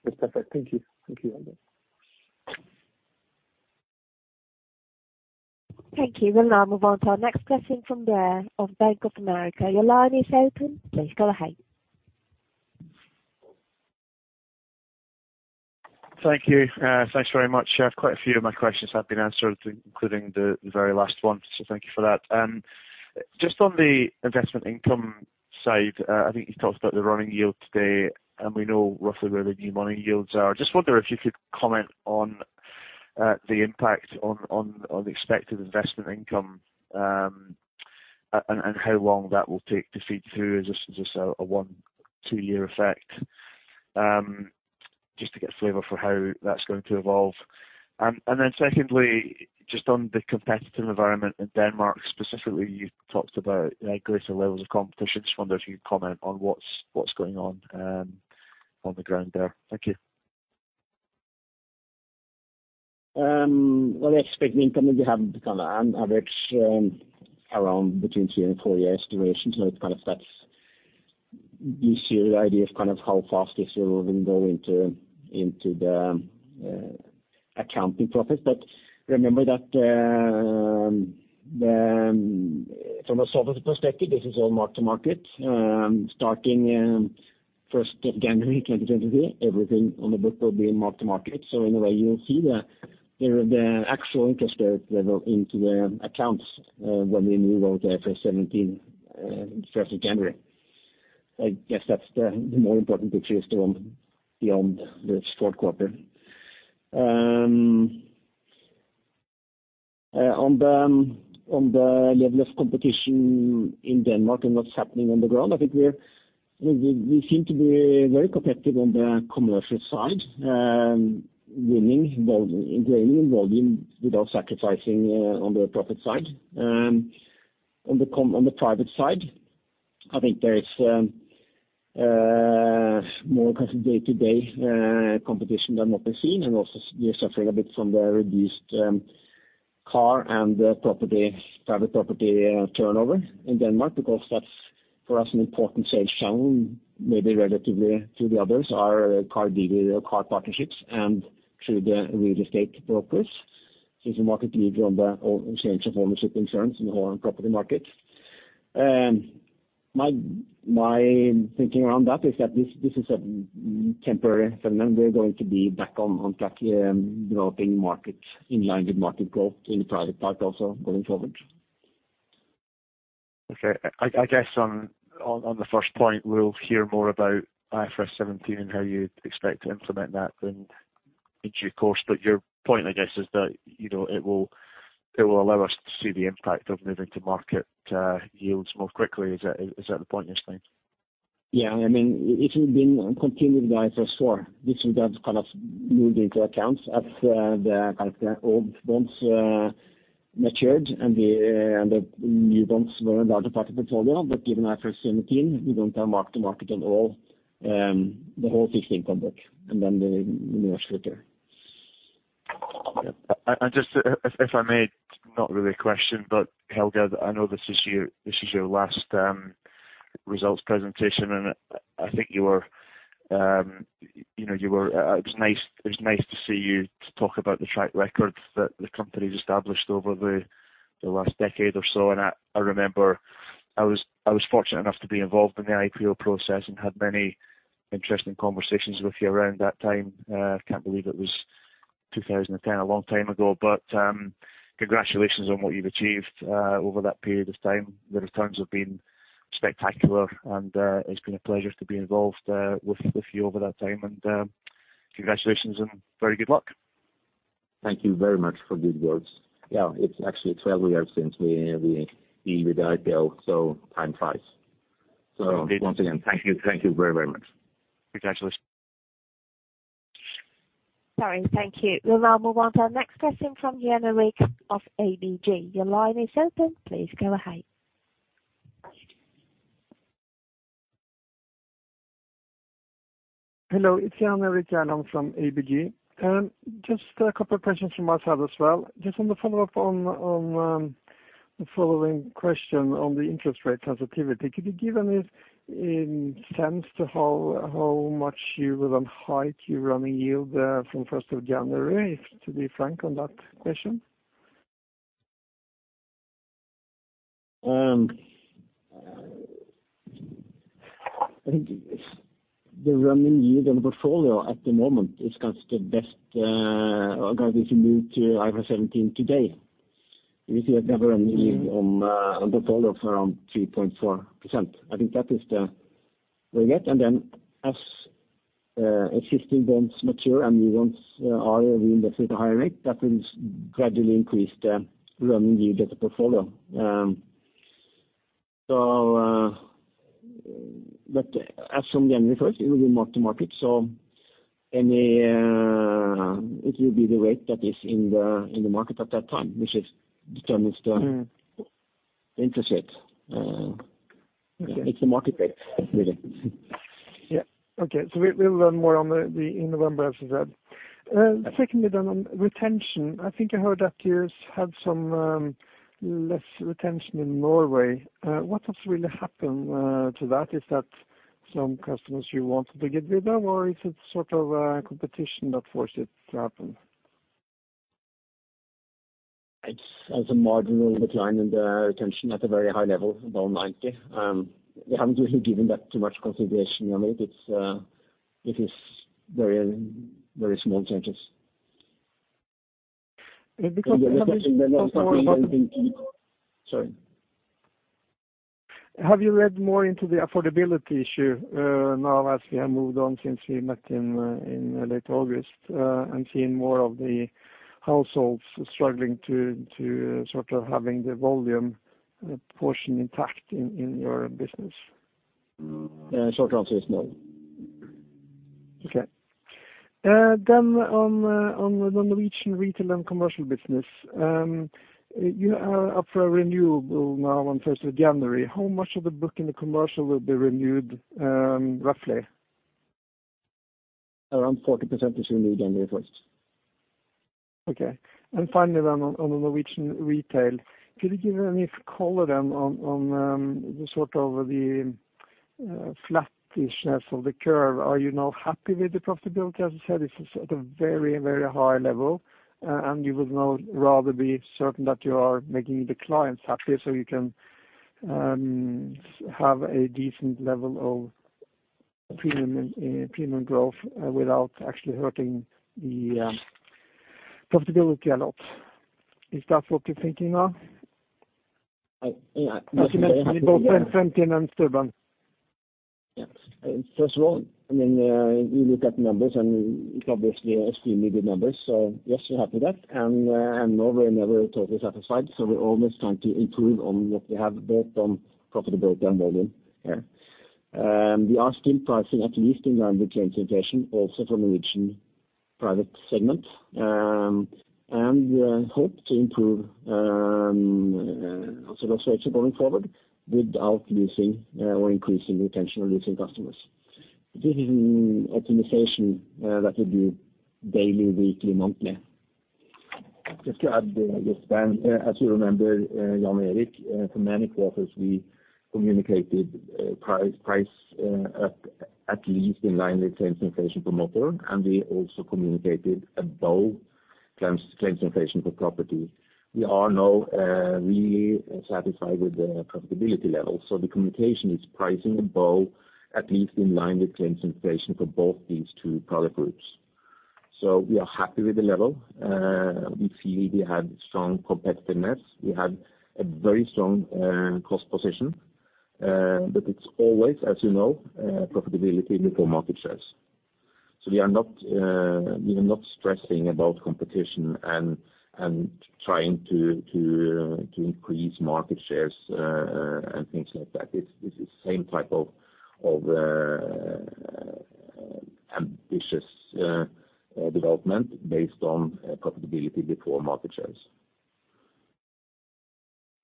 That's perfect. Thank you. Thank you, Helge. Thank you. We'll now move on to our next question from Blair of Bank of America. Your line is open. Please go ahead. Thank you. Thanks very much. Quite a few of my questions have been answered, including the very last one, so thank you for that. Just on the investment income side, I think you talked about the running yield today, and we know roughly where the new money yields are. Just wonder if you could comment on the impact on the expected investment income, and how long that will take to feed through. Is this just a one, two year effect? Just to get a flavor for how that's going to evolve. Secondly, just on the competitive environment in Denmark specifically, you talked about, you know, greater levels of competition. Just wonder if you could comment on what's going on on the ground there. Thank you. Well, I expect the income to have become an average around between three and four years duration. It kind of sets this year idea of kind of how fast this will go into the accounting profits. Remember that, from a software perspective, this is all mark-to-market starting in January 1, 2023, everything on the book will be mark-to-market. In a way, you will see the actual interest rate level into the accounts when we move to IFRS 17 1st of January. I guess that's the more important picture is the one beyond the fourth quarter. On the level of competition in Denmark and what's happening on the ground, I think we seem to be very competitive on the commercial side, gaining volume without sacrificing on the profit side. On the private side, I think there is more kind of day-to-day competition than what we've seen, and also we are suffering a bit from the reduced car and private property turnover in Denmark because that's for us an important sales channel, maybe relatively to the others, our car dealer car partnerships and through the real estate brokers. Since the market lead on the change of ownership insurance and on property markets. My thinking around that is that this is a temporary phenomenon. We're going to be back on track developing market in line with market growth in the private part also going forward. Okay. I guess on the first point, we'll hear more about IFRS 17 and how you expect to implement that in due course. Your point I guess is that, you know, it will allow us to see the impact of moving to market yields more quickly. Is that the point, you're saying? Yeah. I mean, if we'd been continuing the IFRS 4, this would have kind of moved into amortized cost as the kind of old bonds matured, and the new bonds were a larger part of the portfolio. Given IFRS 17, we don't have mark to market at all, the whole match portfolio, and then the free portfolio. Just if I may, not really a question, but Helge, I know this is your last results presentation. I think it was nice to see you talk about the track record that the company's established over the last decade or so. I remember I was fortunate enough to be involved in the IPO process and had many interesting conversations with you around that time. Can't believe it was 2010, a long time ago. Congratulations on what you've achieved over that period of time. The returns have been spectacular, and it's been a pleasure to be involved with you over that time. Congratulations and very good luck. Thank you very much for good words. Yeah. It's actually 12 years since we did IPO, so time flies. Indeed. Once again, thank you. Thank you very, very much. Congratulations. Sorry. Thank you. We'll now move on to our next question from Jan Erik of ABG. Your line is open. Please go ahead. Hello, it's Jan Erik Gjerland from ABG. Just a couple of questions from my side as well. Just on the follow-up on the following question on the interest rate sensitivity. Could you give any sense to how much you will then hike your running yield from 1st of January, to be frank on that question? I think it's the running yield on the portfolio at the moment is kind of the best guidance we move to IFRS 17 today. You see a current yield on portfolio of around 3.4%. I think that is the way to get. Then as existing bonds mature and new ones are reinvested at a higher rate, that will gradually increase the running yield of the portfolio. As from January first, it will be mark-to-market. Any it will be the rate that is in the market at that time, which determines the interest rate. Okay. It's the market rate, really. Yeah. Okay. We'll learn more on the November, as you said. Secondly on retention. I think I heard that you've had some less retention in Norway. What has really happened to that? Is that some customers you wanted to get rid of or is it sort of competition that forced it to happen? It's just a marginal decline in the retention at a very high level, above 90%. We haven't really given that too much consideration. I mean, it is very, very small changes. Because the competition Sorry. Have you read more into the affordability issue, now as we have moved on since we met in late August, and seen more of the households struggling to sort of having the volume portion intact in your business? Short answer is no. On the Norwegian retail and commercial business, you are up for a renewal now on 1st of January. How much of the book in the commercial will be renewed, roughly? Around 40% is renewed on the first. Okay. Finally then on the Norwegian retail, could you give any color then on the sort of flattishness of the curve? Are you now happy with the profitability? As you said, this is at a very, very high level, and you would now rather be certain that you are making the clients happy so you can have a decent level of premium growth without actually hurting the profitability a lot. Is that what you're thinking of both Frampton and Stevan? Yeah. First of all, I mean, we look at numbers, and it's obviously extremely good numbers. So yes, we're happy with that. No, we're never totally satisfied, so we're always trying to improve on what we have, both on profitability and volume. Yeah. We are still pricing, at least in line with claims inflation, also from a retail and private segment, and hope to improve also those rates going forward without losing customers or decreasing retention. This is an optimization that we do daily, weekly, monthly. Just to add, yes, Ben, as you remember, Jan Erik, for many quarters, we communicated price at least in line with claims inflation for motor. We also communicated above claims inflation for property. We are now really satisfied with the profitability levels. The communication is pricing above at least in line with claims inflation for both these two product groups. We are happy with the level. We feel we have strong competitiveness. We have a very strong cost position. It's always, as you know, profitability before market shares. We are not stressing about competition and trying to increase market shares and things like that. It's the same type of ambitious development based on profitability before market shares.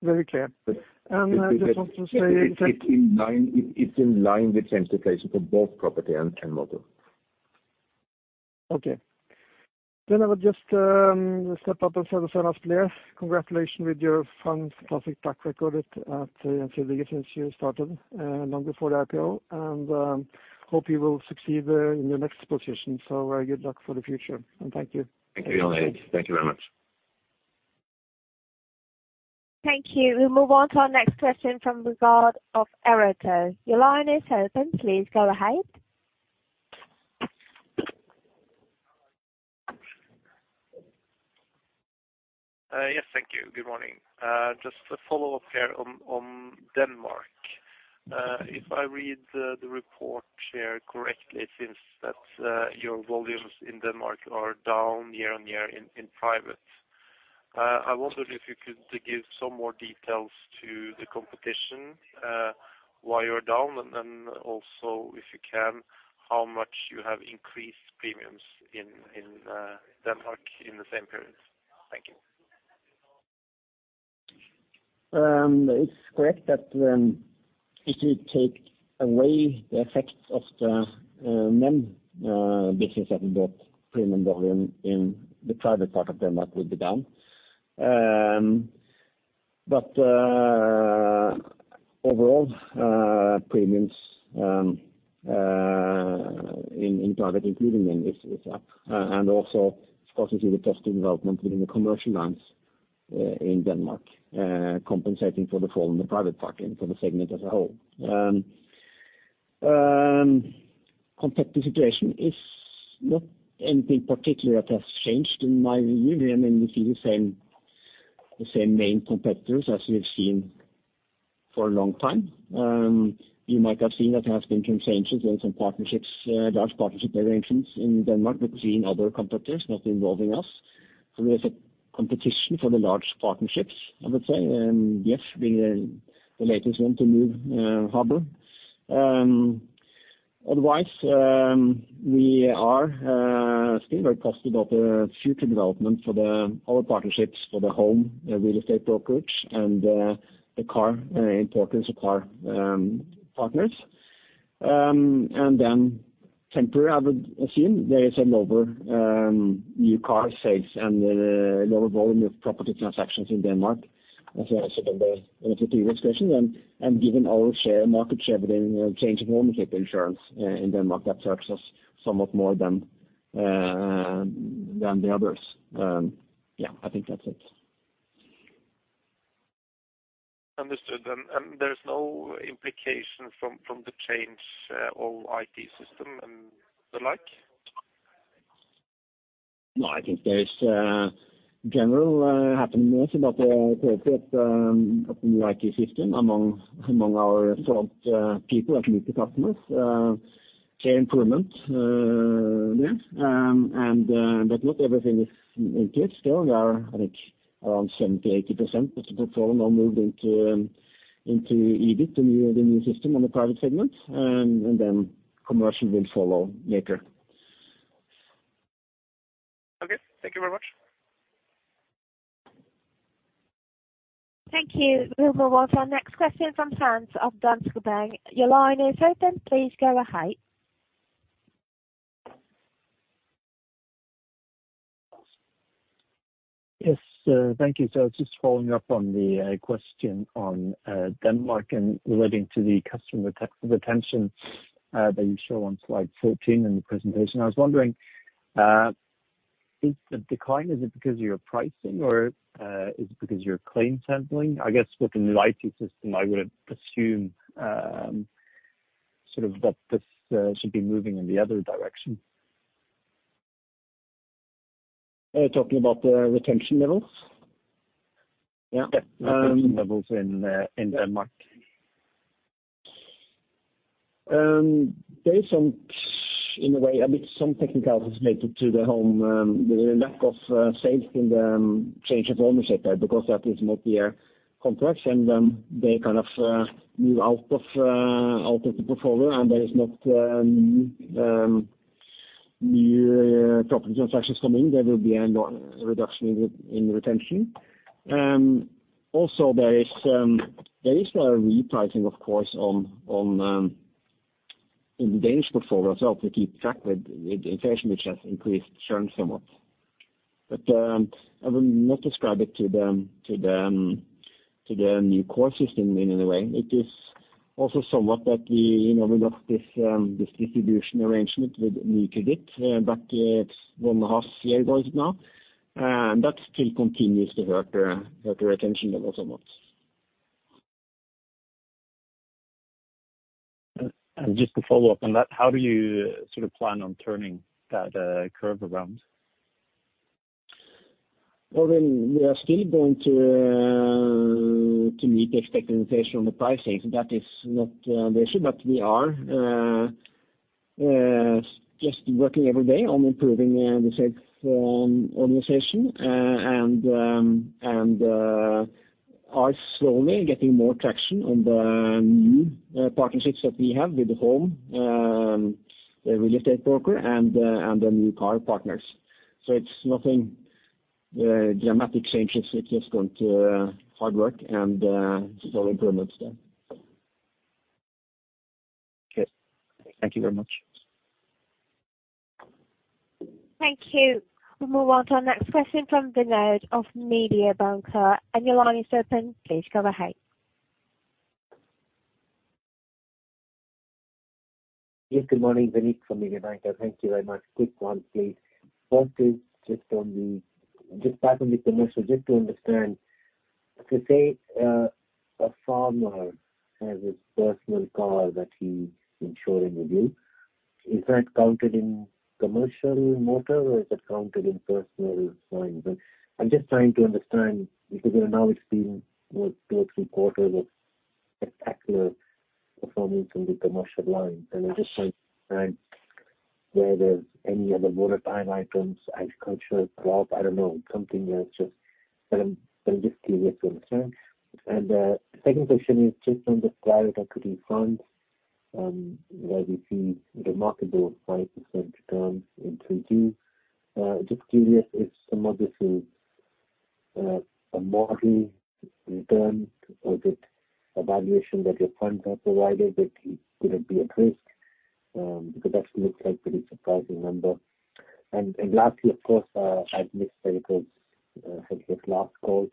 Very clear. I just want to say It's in line with claims inflation for both property and motor. Okay. I would just step up and say the sign off clear. Congratulations with your fantastic track record at Intility since you started long before the IPO. I hope you will succeed in your next position. Good luck for the future, and thank you. Thank you, Jan Erik. Thank you very much. Thank you. We move on to our next question from Vinit Malhotra of Mediobanca. Your line is open. Please go ahead. Yes, thank you. Good morning. Just a follow-up here on Denmark. If I read the report here correctly, it seems that your volumes in Denmark are down year-over-year in private. I wonder if you could give some more details to the competition while you're down, and then also, if you can, how much you have increased premiums in Denmark in the same period. Thank you. It's correct that if you take away the effects of the Mølholm business that we bought, premium volume in the private part of Denmark would be down. Overall, premiums in private including them is up. Also positive adjusted development within the commercial lines in Denmark compensating for the fall in the private part and for the segment as a whole. Competitive situation is not anything particular that has changed in my view. I mean, we see the same main competitors as we have seen for a long time. You might have seen that there have been some changes and some partnerships, large partnership arrangements in Denmark between other competitors, not involving us. There's a competition for the large partnerships, I would say. Yes, we are the latest one to move, Harbour. Otherwise, we are still very positive about the future development for our partnerships for the home real estate brokerage and the importance of car partners. Temporarily, I would assume there is a lower new car sales and lower volume of property transactions in Denmark as well as of the previous quarter. Given our market share within change of ownership insurance in Denmark, that serves us somewhat more than the others. Yeah. I think that's it. Understood. There's no implication from the change of IT system and the like? No, I think there is a general happiness about the new IT system among our frontline people that meet the customers. Clear improvement, yes. Not everything is in place. Still, we are, I think, around 70%-80% of the portfolio now moved into EVIT, the new system on the private segment. Then commercial will follow later. Okay. Thank you very much. Thank you. We'll move on to our next question from Frans Høyer of Jyske Bank. Your line is open. Please go ahead. Yes, sir. Thank you. Just following up on the question on Denmark and relating to the customer retention that you show on slide 14 in the presentation. I was wondering, is the decline, is it because of your pricing or is it because of your claim sampling? I guess with the new IT system, I would assume that this should be moving in the other direction. Are you talking about the retention levels? Retention levels in Denmark. There is some, in a way, I mean, some technicalities related to the home, the lack of sales in the change of ownership there because that is not their contracts, and they kind of move out of the portfolio, and there is not new property transactions coming. There will be a more reduction in the retention. Also there is a repricing of course ongoing in the Danish portfolio itself to keep track with the inflation which has increased churn somewhat. I will not describe it to the new core system in any way. It is also somewhat that we, you know, we got this distribution arrangement with Nykredit back 1.5 years ago is now. That still continues to hurt the retention level somewhat. Just to follow up on that, curve around? Well, we are still going to meet the expectation on the pricing. That is not the issue. We are just working every day on improving the sales organization and are slowly getting more traction on the new partnerships that we have with the home the real estate broker and the new car partners. It's nothing dramatic changes. It's just going to hard work and slow improvements there. Okay. Thank you very much. Thank you. We'll move on to our next question from Vinit of Mediobanca. Your line is open. Please go ahead. Yes, good morning. Vinit from Mediobanca. Thank you very much. Quick one, please. First is just on the just starting with commercial just to understand. If, say, a farmer has his personal car that he's insuring with you, is that counted in commercial motor, or is that counted in personal lines? I'm just trying to understand because, you know, now it's been, what, two or three quarters of spectacular performance in the commercial line. I'm just trying to understand whether any of the borderline items, agricultural, crop, I don't know, something that's just kind of just curious to understand. Second question is just on the private equity front, where we see remarkable 5% return in Q2. Just curious if some of this is a modeling return or the evaluation that your funds are providing that it couldn't be at risk. Because that looks like pretty surprising number. Lastly of course, I've missed Helge Leiro Baastad's last call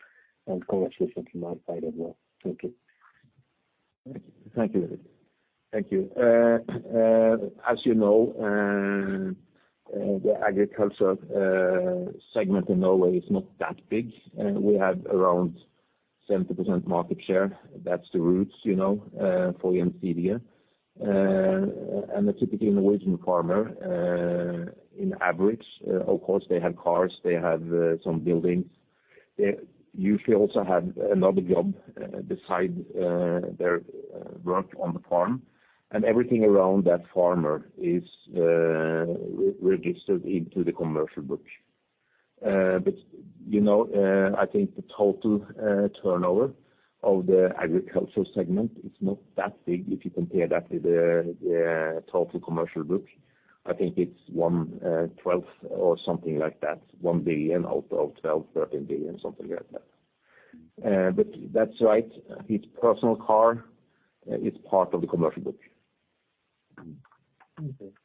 and conversation from my side as well. Thank you. Thank you, Vinit. Thank you. As you know, the agriculture segment in Norway is not that big. We have around 70% market share. That's the roots, you know, for insurance. A typically Norwegian farmer, in average, of course they have cars, they have some buildings. They usually also have another job beside their work on the farm. Everything around that farmer is re-registered into the commercial book. You know, I think the total turnover of the agricultural segment is not that big if you compare that to the total commercial book. I think it's 1/12 or something like that, 1 billion out of 12-13 billion, something like that. That's right. His personal car is part of the commercial book.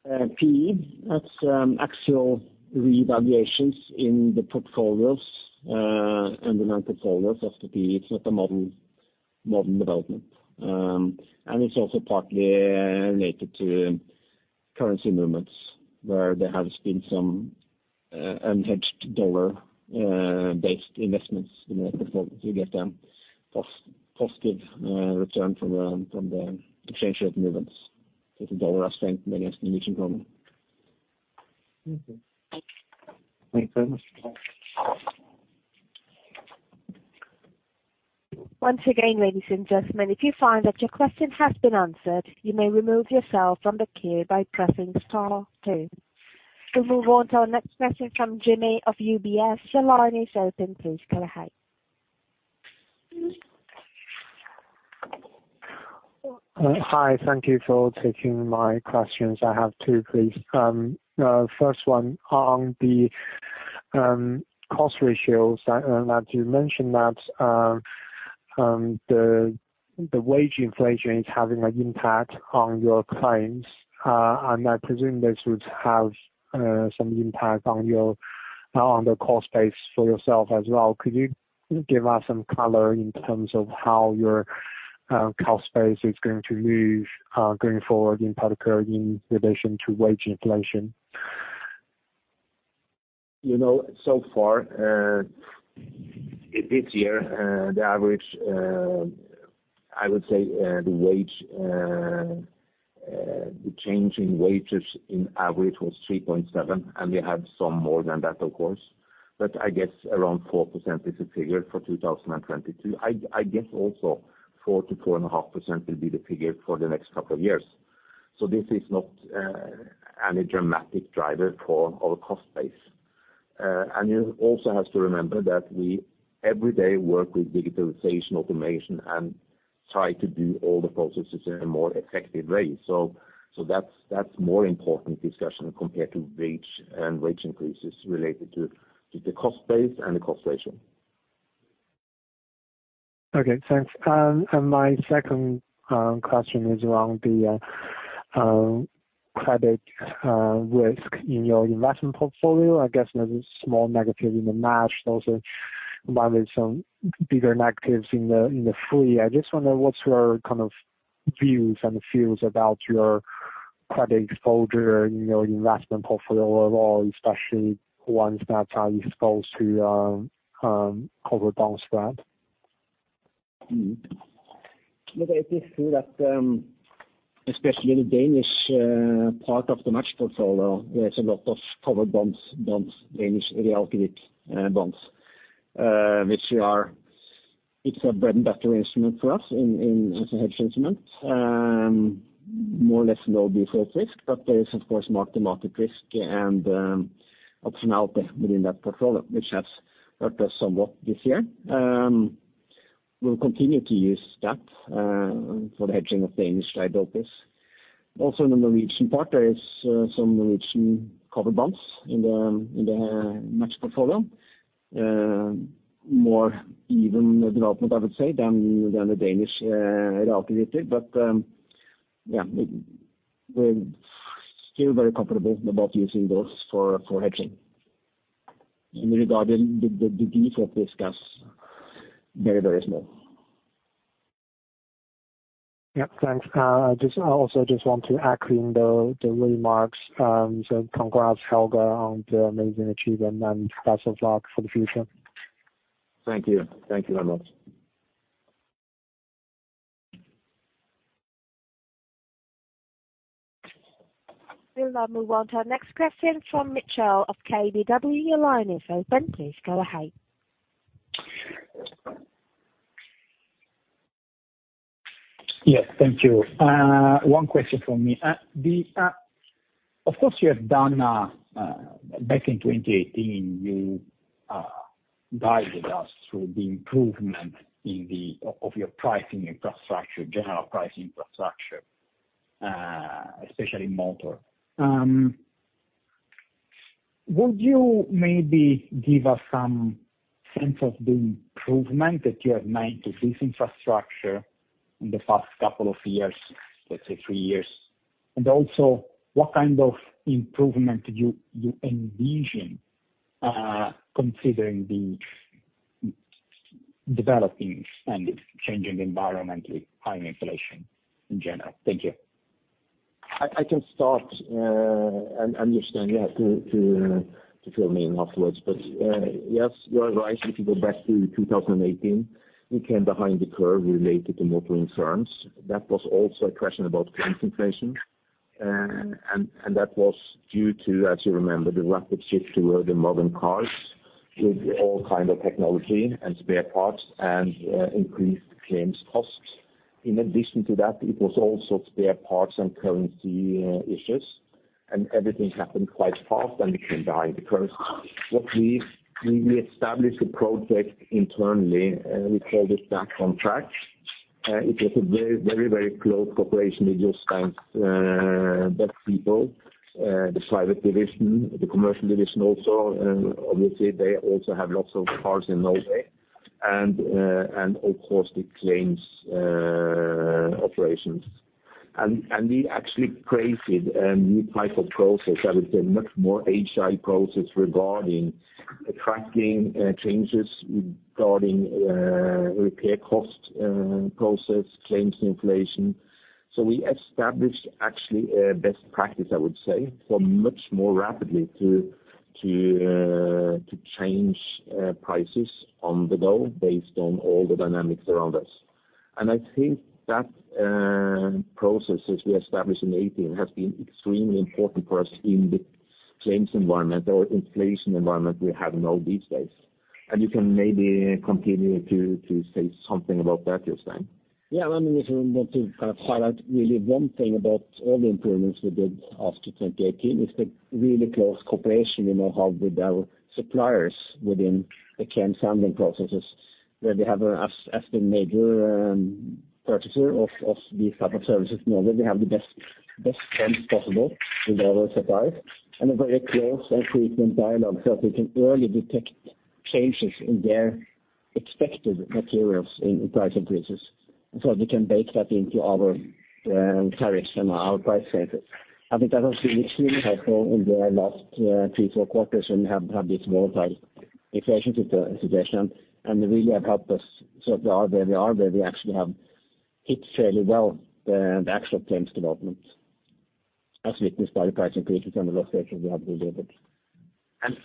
Okay. PE, that's actual revaluations in the portfolios and the non-PE portfolios of the PE. It's not a model development. It's also partly related to currency movements, where there has been some unhedged dollar-based investments in the portfolio. You get a positive return from the exchange rate movements. The dollar has strengthened against Norwegian krone. Okay. Thank you very much. Once again, ladies and gentlemen, if you find that your question has been answered, you may remove yourself from the queue by pressing star two. We'll move on to our next question from Jimmy of UBS. Your line is open. Please go ahead. Hi. Thank you for taking my questions. I have two, please. First one on the cost ratios. Now that you mentioned that, the wage inflation is having an impact on your claims, and I presume this would have some impact on your cost base for yourself as well. Could you give us some color in terms of how your cost base is going to move going forward in particular in relation to wage inflation? You know, so far this year the average, I would say, the change in wages on average was 3.7%, and we had some more than that, of course. I guess around 4% is the figure for 2022. I guess also 4%-4.5% will be the figure for the next couple of years. This is not any dramatic driver for our cost base. You also have to remember that we every day work with digitalization, automation, and try to do all the processes in a more effective way. That's more important discussion compared to wage and wage increases related to the cost base and the cost ratio. Okay, thanks. My second question is around the credit risk in your investment portfolio. I guess there's a small negative in the match. Also, probably some bigger negatives in the free. I just wonder what's your kind of views and feels about your credit exposure in your investment portfolio at all, especially ones that are exposed to covered bonds spread? Look, it is true that, especially in the Danish part of the match portfolio, there is a lot of covered bonds, Danish. Real estate bonds. It's a bread and butter instrument for us in as a hedge instrument. More or less low default risk, but there is of course market risk and optionality within that portfolio, which has hurt us somewhat this year. We'll continue to use that for the hedging of Danish real estate office. Also in the Norwegian part, there is some Norwegian covered bonds in the match portfolio. More even development, I would say, than the Danish real estate. But we're still very comfortable about using those for hedging. Regarding the default risk as very, very small. Yeah, thanks. I also just want to echo in the remarks, so congrats, Helge Leiro Baastad, on the amazing achievement, and best of luck for the future. Thank you. Thank you very much. We'll now move on to our next question from Michele of KBW. Your line is open, please go ahead. Yes, thank you. One question from me. Of course, you have done back in 2018, you guided us through the improvement in your general pricing infrastructure, especially motor. Would you maybe give us some sense of the improvement that you have made to this infrastructure in the past couple of years, let's say three years? And also, what kind of improvement you envision, considering the developing and changing environment with high inflation in general? Thank you. I can start and understand yeah to fill me in afterwards. Yes, you are right. If you go back to 2018, we came behind the curve related to motor insurance. That was also a question about claims inflation. That was due to, as you remember, the rapid shift toward the modern cars with all kinds of technology and spare parts and increased claims costs. In addition to that, it was also spare parts and currency issues. Everything happened quite fast, and we came behind the curve. We established a project internally. We call this Back on Track. It was a very close cooperation with Jostein's best people, the private division, the commercial division also. Obviously, they also have lots of cars in Norway, and of course, the claims operations. We actually created a new type of process that was a much more agile process regarding tracking changes regarding repair cost process, claims inflation. We established actually a best practice, I would say, for much more rapidly to change prices on the go based on all the dynamics around us. I think that process, as we established in 2018, has been extremely important for us in the claims environment or inflation environment we have now these days. You can maybe continue to say something about that, Jostein. Yeah, I mean, if you want to kind of highlight really one thing about all the improvements we did after 2018 is the really close cooperation we now have with our suppliers within the claim handling processes. Where we have as the major purchaser of these type of services now, that we have the best friends possible with our suppliers, and a very close and frequent dialogue, so that we can early detect changes in their expected materials in price increases. We can bake that into our tariffs and our price increases. I think that has been extremely helpful in the last three or four quarters when we have had this volatile inflation situation, and they really have helped us so that we are where we are, where we actually have hit fairly well the actual claims development, as witnessed by the price increases and the reserves we have delivered. Since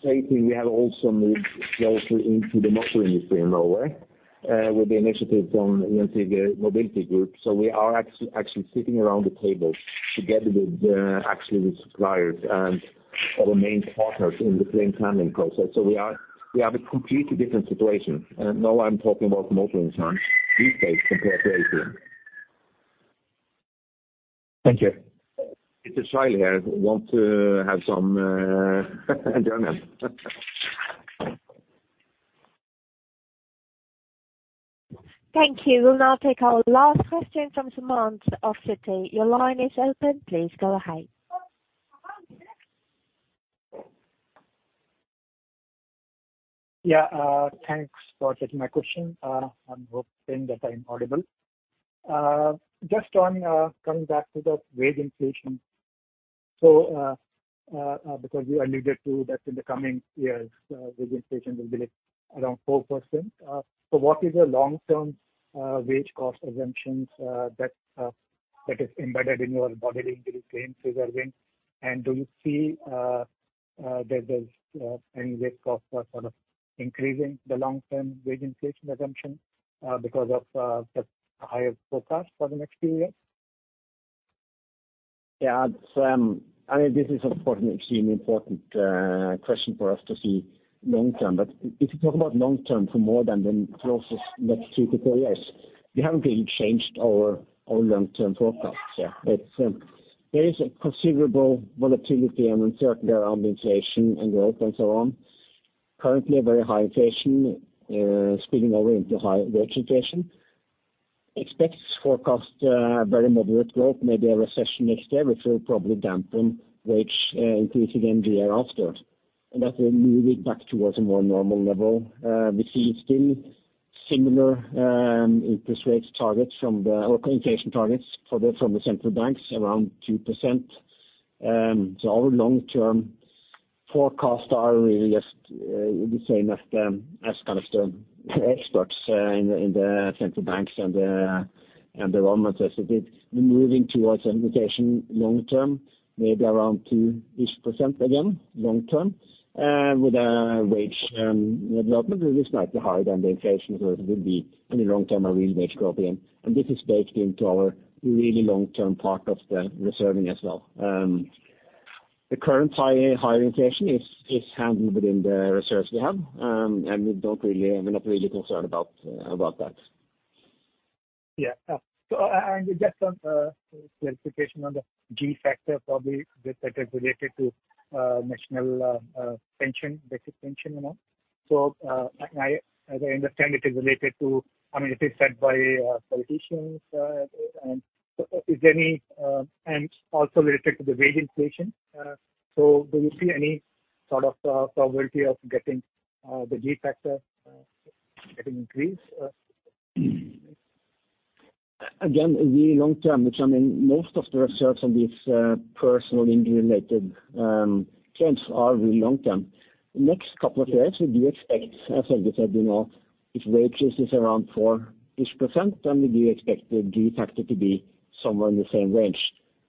2018 we have also moved closely into the motor industry in Norway, with the initiative from the Gjensidige Mobility Group. We are actually sitting around the table together with suppliers and our main partners in the claims handling process. We have a completely different situation. Now I'm talking about motor insurance these days compared to AP. Thank you. It's a child here who want to have some journal. Thank you. We'll now take our last question from Trym of Citi. Your line is open. Please go ahead. Yeah. Thanks for taking my question. I'm hoping that I'm audible. Just on coming back to the wage inflation. Because you alluded to that in the coming years, wage inflation will be like around 4%. So what is the long-term wage cost assumptions that is embedded in your modeling to the claims reserving? And do you see there's any risk of sort of increasing the long-term wage inflation assumption because of the higher forecast for the next few years? Yeah. I mean, this is of course an extremely important question for us to see long-term. If you talk about long term for more than the closest next 2-4 years, we haven't really changed our long term forecast. It's. There is a considerable volatility and uncertainty around inflation and growth and so on. Currently, a very high inflation spilling over into high wage inflation. Expected forecast very moderate growth, maybe a recession next year, which will probably dampen wage increase again the year after. That will move it back towards a more normal level. We see still similar interest rate targets from the central banks or communication targets from the central banks around 2%. Our long-term forecasts are really just the same as kind of the experts in the central banks and the Norges Bank. We're moving towards an inflation long term, maybe around 2% again, long-term, with a wage development. It is slightly higher than the inflation, so it will be in the long term, a real wage growth again. This is baked into our really long-term part of the reserving as well. The current higher inflation is handled within the reserves we have. We're not really concerned about that. Just on clarification on the G factor, probably that is related to national pension basic pension amount. I understand it is related to I mean it is set by politicians. Is there any and also related to the wage inflation. Do you see any sort of probability of getting the G factor getting increased? Again, really long term, which I mean most of the reserves on these personal injury-related claims are really long term. Next couple of years, we do expect, as I just said, you know, if wages is around 4-ish%, then we do expect the G factor to be somewhere in the same range.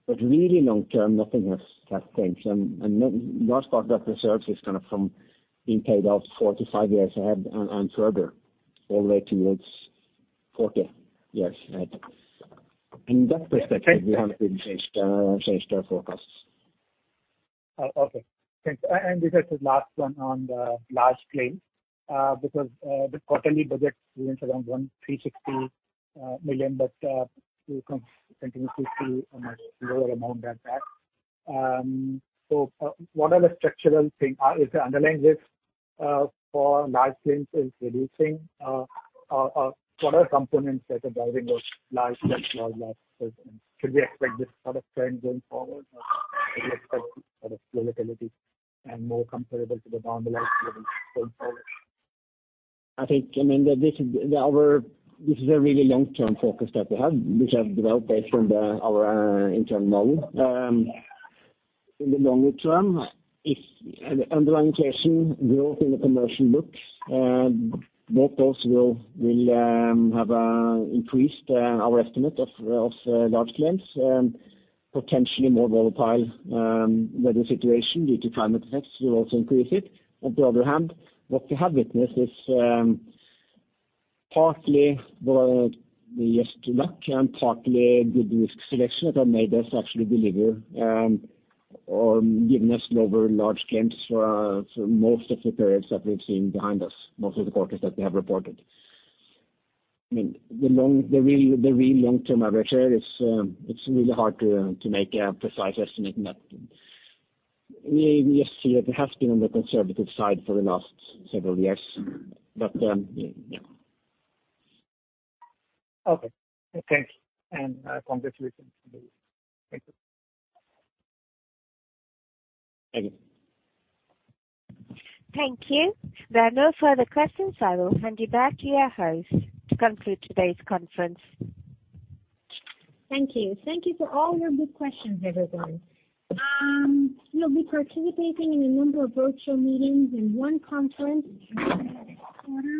But really long term, nothing has changed. And most of that reserves is kind of from being paid out 4-5 years ahead and further all the way towards 40 years ahead. In that perspective, we haven't really changed our forecasts. Okay. Thanks. This is the last one on the large claim. Because the quarterly budget remains around 136 million, but we continuously see a much lower amount than that. What are the structural things? Is the underlying risk for large claims reducing? What are the components that are driving those large claims? Should we expect this sort of trend going forward, or should we expect sort of stability and more comparable to the normalized going forward? I think, I mean, this is a really long-term focus that we have, which have developed based on our internal model. In the longer term, if underlying inflation growth in the commercial books, both those will have increased our estimate of large claims. Potentially more volatile weather situation due to climate effects will also increase it. On the other hand, what we have witnessed is partly just luck and partly good risk selection that have made us actually deliver or given us lower large claims for most of the periods that we've seen behind us, most of the quarters that we have reported. I mean, the real long-term average there is, it's really hard to make a precise estimate in that. We just see that we have been on the conservative side for the last several years, but yeah. Okay. Thank you. Congratulations. Thank you. Thank you. Thank you. There are no further questions. I will hand you back to your host to conclude today's conference. Thank you. Thank you for all your good questions, everyone. We'll be participating in a number of virtual meetings and one conference next quarter.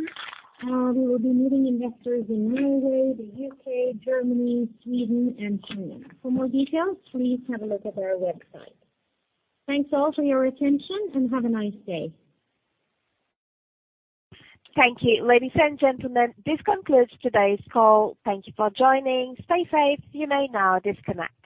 We will be meeting investors in Norway, the U.K., Germany, Sweden, and China. For more details, please have a look at our website. Thanks, all, for your attention, and have a nice day. Thank you. Ladies and gentlemen, this concludes today's call. Thank you for joining. Stay safe. You may now disconnect.